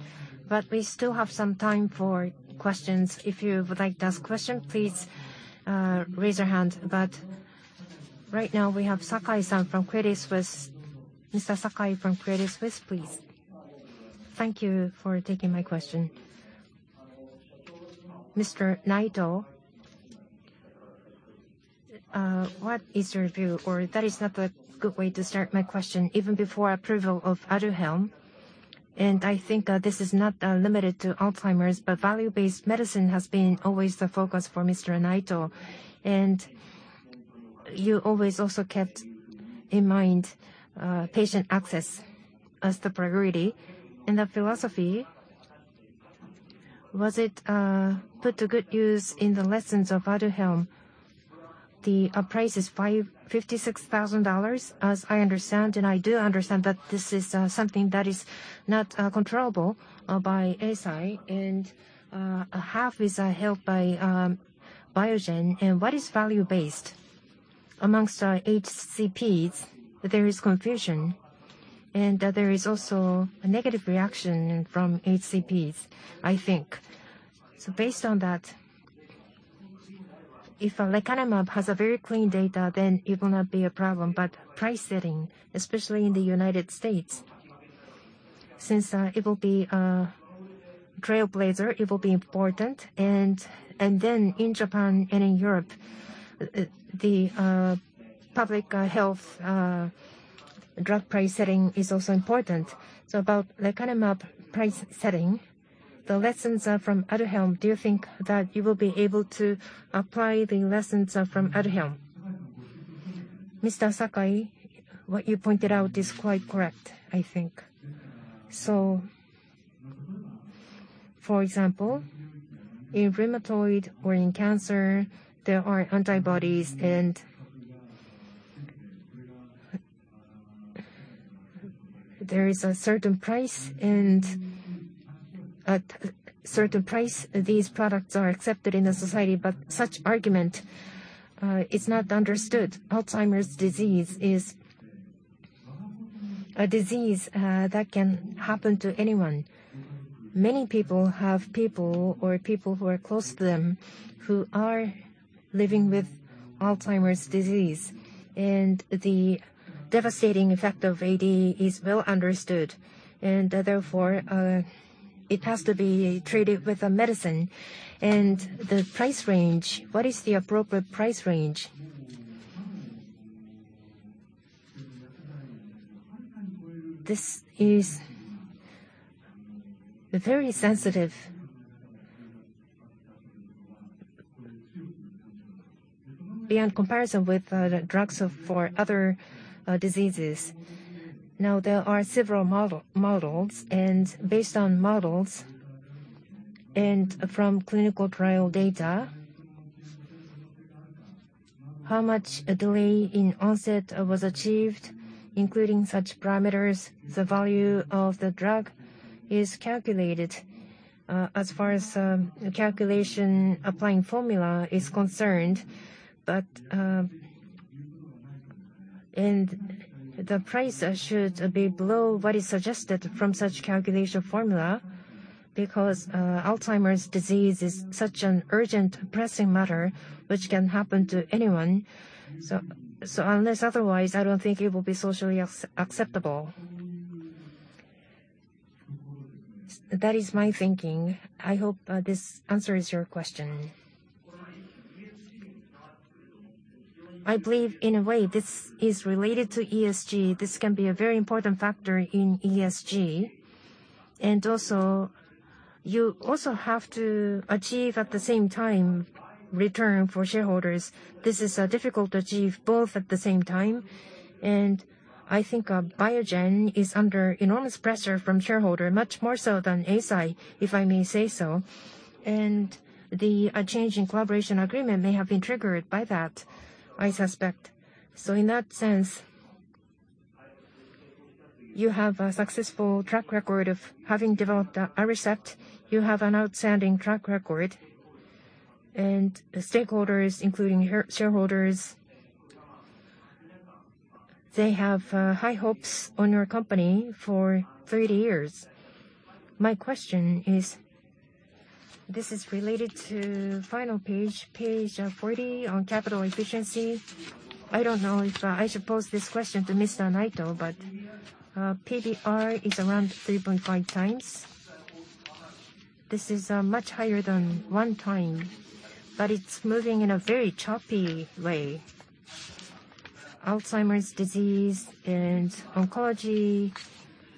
but we still have some time for questions. If you would like to ask question, please, raise your hand. Right now we have Sakai-san from Credit Suisse. Mr. Sakai from Credit Suisse, please. Thank you for taking my question. Mr. Naito, what is your view? Or that is not a good way to start my question. Even before approval of Aduhelm, and I think, this is not, limited to Alzheimer's, but value-based medicine has been always the focus for Mr. Naito. You always also kept in mind, patient access as the priority. The philosophy, was it, put to good use in the lessons of Aduhelm? The price is $56,000, as I understand, and I do understand that this is something that is not controllable by Eisai. Half is held by Biogen. What is value based? Among our HCPs, there is confusion, and there is also a negative reaction from HCPs, I think. Based on that, if lecanemab has a very clean data, then it will not be a problem. Price setting, especially in the United States, since it will be a trailblazer, it will be important. In Japan and in Europe, the public health drug price setting is also important. About lecanemab price setting, the lessons from Aduhelm, do you think that you will be able to apply the lessons from Aduhelm? Mr. Sakai, what you pointed out is quite correct, I think. For example, in rheumatoid or in cancer, there are antibodies and there is a certain price. At certain price, these products are accepted in the society, but such argument is not understood. Alzheimer's disease is a disease that can happen to anyone. Many people have people who are close to them who are living with Alzheimer's disease. The devastating effect of AD is well understood. Therefore, it has to be treated with a medicine. The price range, what is the appropriate price range? This is very sensitive. Beyond comparison with the drugs for other diseases. Now, there are several models and based on models and from clinical trial data, how much a delay in onset was achieved, including such parameters, the value of the drug is calculated, as far as calculation applying formula is concerned. The price should be below what is suggested from such calculation formula because Alzheimer's disease is such an urgent pressing matter which can happen to anyone. Unless otherwise, I don't think it will be socially acceptable. That is my thinking. I hope this answers your question. I believe in a way this is related to ESG. This can be a very important factor in ESG. You also have to achieve at the same time return for shareholders. This is difficult to achieve both at the same time. I think Biogen is under enormous pressure from shareholders, much more so than Eisai, if I may say so. The change in collaboration agreement may have been triggered by that, I suspect. In that sense, you have a successful track record of having developed Aricept. You have an outstanding track record. The stakeholders, including shareholders, they have high hopes on our company for 30 years. My question is, this is related to page 40 on capital efficiency. I don't know if I should pose this question to Mr. Naito, but PBR is around 3.5 times. This is much higher than one time, but it's moving in a very choppy way. Alzheimer's disease and oncology,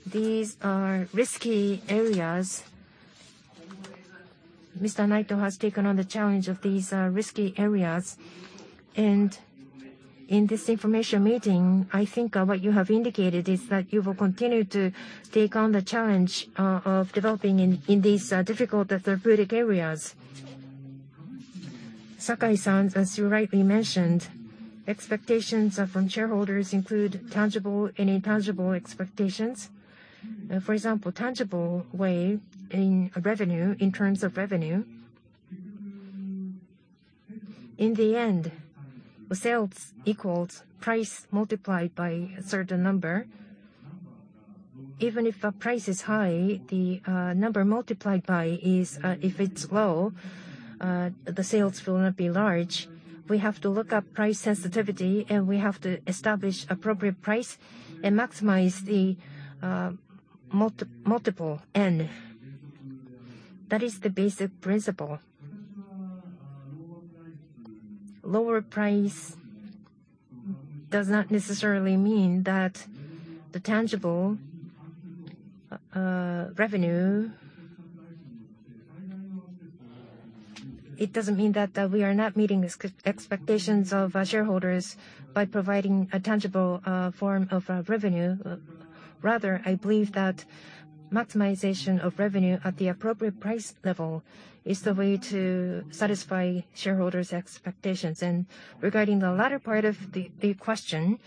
these are risky areas. Mr. Naito has taken on the challenge of these risky areas. In this information meeting, I think what you have indicated is that you will continue to take on the challenge of developing in these difficult therapeutic areas. Sakai-san, as you rightly mentioned, expectations from shareholders include tangible and intangible expectations. For example, tangible way in revenue, in terms of revenue. In the end, sales equals price multiplied by a certain number. Even if the price is high, the number multiplied by is if it's low, the sales will not be large. We have to look up price sensitivity, and we have to establish appropriate price and maximize the multiple N. That is the basic principle. Lower price does not necessarily mean that the tangible revenue. It doesn't mean that we are not meeting the expectations of shareholders by providing a tangible form of revenue. Rather, I believe that maximization of revenue at the appropriate price level is the way to satisfy shareholders' expectations. Regarding the latter part of the question,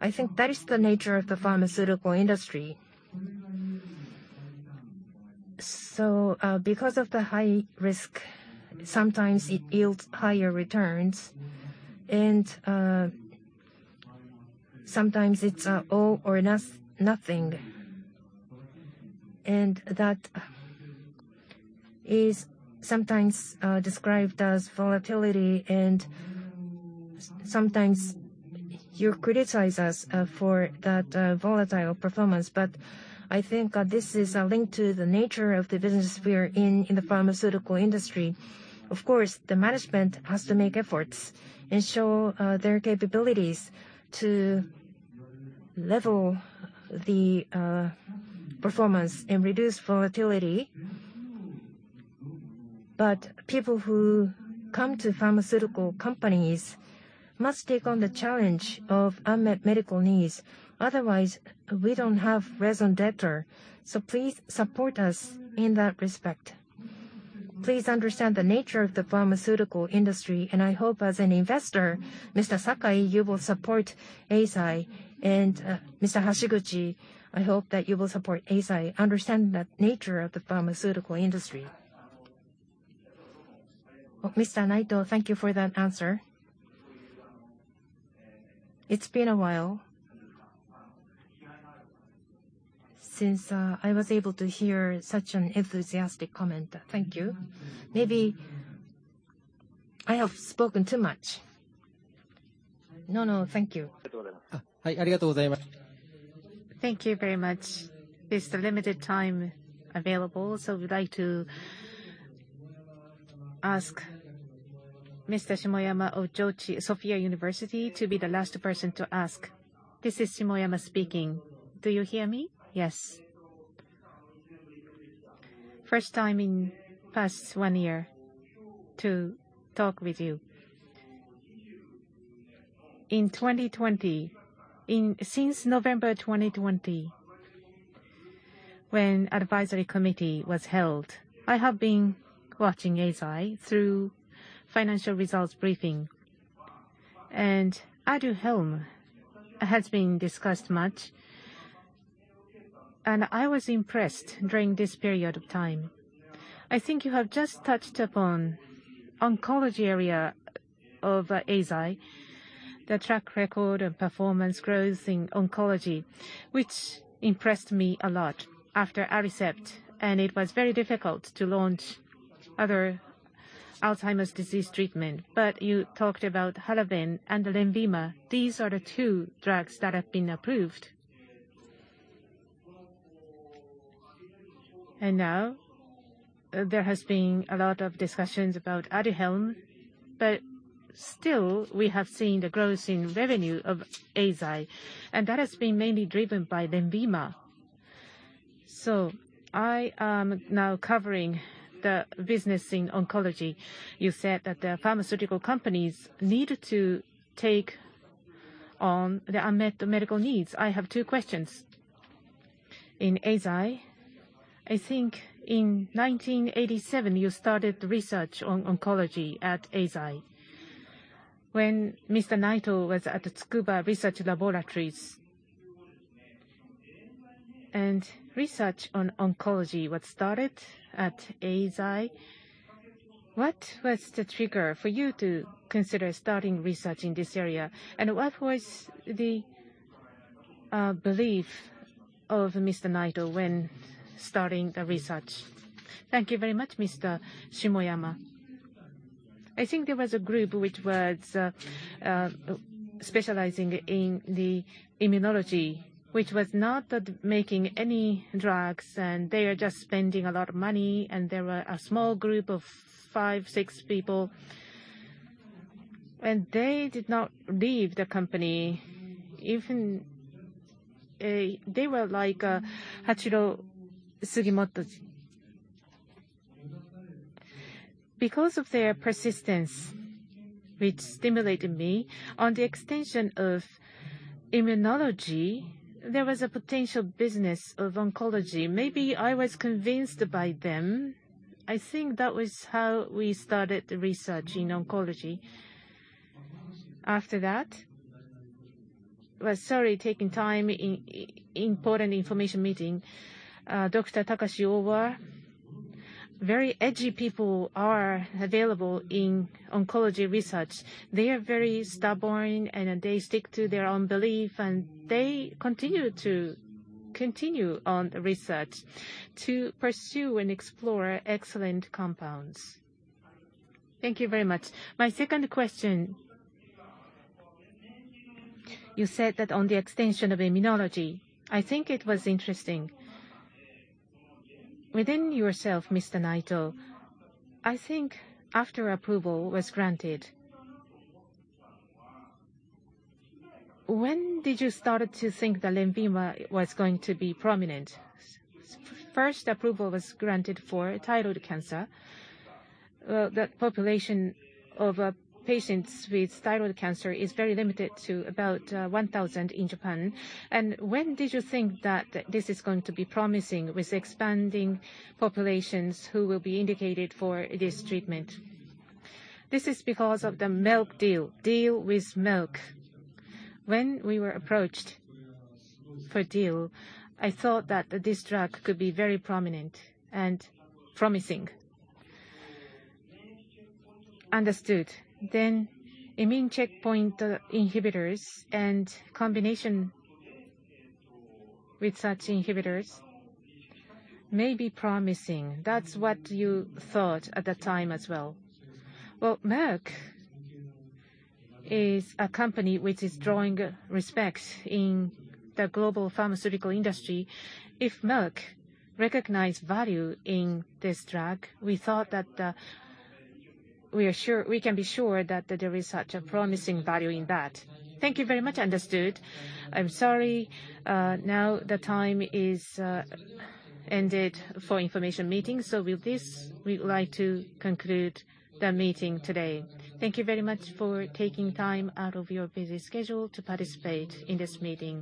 I think that is the nature of the pharmaceutical industry. Because of the high risk, sometimes it yields higher returns. Sometimes it's all or nothing. That is sometimes described as volatility, and sometimes you criticize us for that volatile performance. I think this is a link to the nature of the business we are in the pharmaceutical industry. Of course, the management has to make efforts and show their capabilities to level the performance and reduce volatility. People who come to pharmaceutical companies must take on the challenge of unmet medical needs. Otherwise, we don't have raison d'être. Please support us in that respect. Please understand the nature of the pharmaceutical industry, and I hope as an investor, Mr. Sakai, you will support Eisai. Mr. Hashiguchi, I hope that you will support Eisai, understanding the nature of the pharmaceutical industry. Mr. Naito, thank you for that answer. It's been a while since I was able to hear such an enthusiastic comment. Thank you. Maybe I have spoken too much. No, no. Thank you. Thank you very much. It's the limited time available, so we'd like to ask Mr. Shimoyama of Sophia University to be the last person to ask. This is Shimoyama speaking. Do you hear me? Yes. first time in the past one year to talk with you. In 2020, since November 2020, when advisory committee was held, I have been watching Eisai through financial results briefing. Aduhelm has been discussed much, and I was impressed during this period of time. I think you have just touched upon oncology area of Eisai. The track record of performance grows in oncology, which impressed me a lot after Aricept. It was very difficult to launch other Alzheimer's disease treatment. You talked about HALAVEN and LENVIMA. These are the two drugs that have been approved. Now, there has been a lot of discussions about Aduhelm. Still, we have seen the growth in revenue of Eisai, and that has been mainly driven by LENVIMA. I am now covering the business in oncology. You said that the pharmaceutical companies need to take on the unmet medical needs. I have two questions. In Eisai, I think in 1987, you started research on oncology at Eisai. When Mr. Naito was at Tsukuba Research Laboratories, research on oncology was started at Eisai. What was the trigger for you to consider starting research in this area? What was the belief of Mr. Naito when starting the research? Thank you very much, Mr. Shimoyama. I think there was a group which was specializing in the immunology, which was not making any drugs, and they were just spending a lot of money. There were a small group of five or six people. They did not leave the company, even they were like Hachiro Sugimoto. Because of their persistence, which stimulated me on the extension of immunology, there was a potential business of oncology. Maybe I was convinced by them. I think that was how we started the research in oncology. After that. Well, sorry, taking time in important information meeting. Dr. Takashi Owa. Very edgy people are available in oncology research. They are very stubborn, and they stick to their own belief, and they continue on research to pursue and explore excellent compounds. Thank you very much. My second question. You said that on the extension of immunology, I think it was interesting. Within yourself, Mr. Naito, I think after approval was granted, when did you started to think that LENVIMA was going to be prominent? The first approval was granted for thyroid cancer. The population of patients with thyroid cancer is very limited to about 1,000 in Japan. When did you think that this is going to be promising with expanding populations who will be indicated for this treatment? This is because of the Merck deal. Deal with Merck. When we were approached for deal, I thought that this drug could be very prominent and promising. Understood. Immune checkpoint inhibitors and combination with such inhibitors may be promising. That's what you thought at that time as well? Well, Merck is a company which is drawing respect in the global pharmaceutical industry. If Merck recognized value in this drug, we thought that we are sure, we can be sure that there is such a promising value in that. Thank you very much. Understood. I'm sorry, now the time is ended for information meeting. With this, we'd like to conclude the meeting today. Thank you very much for taking time out of your busy schedule to participate in this meeting.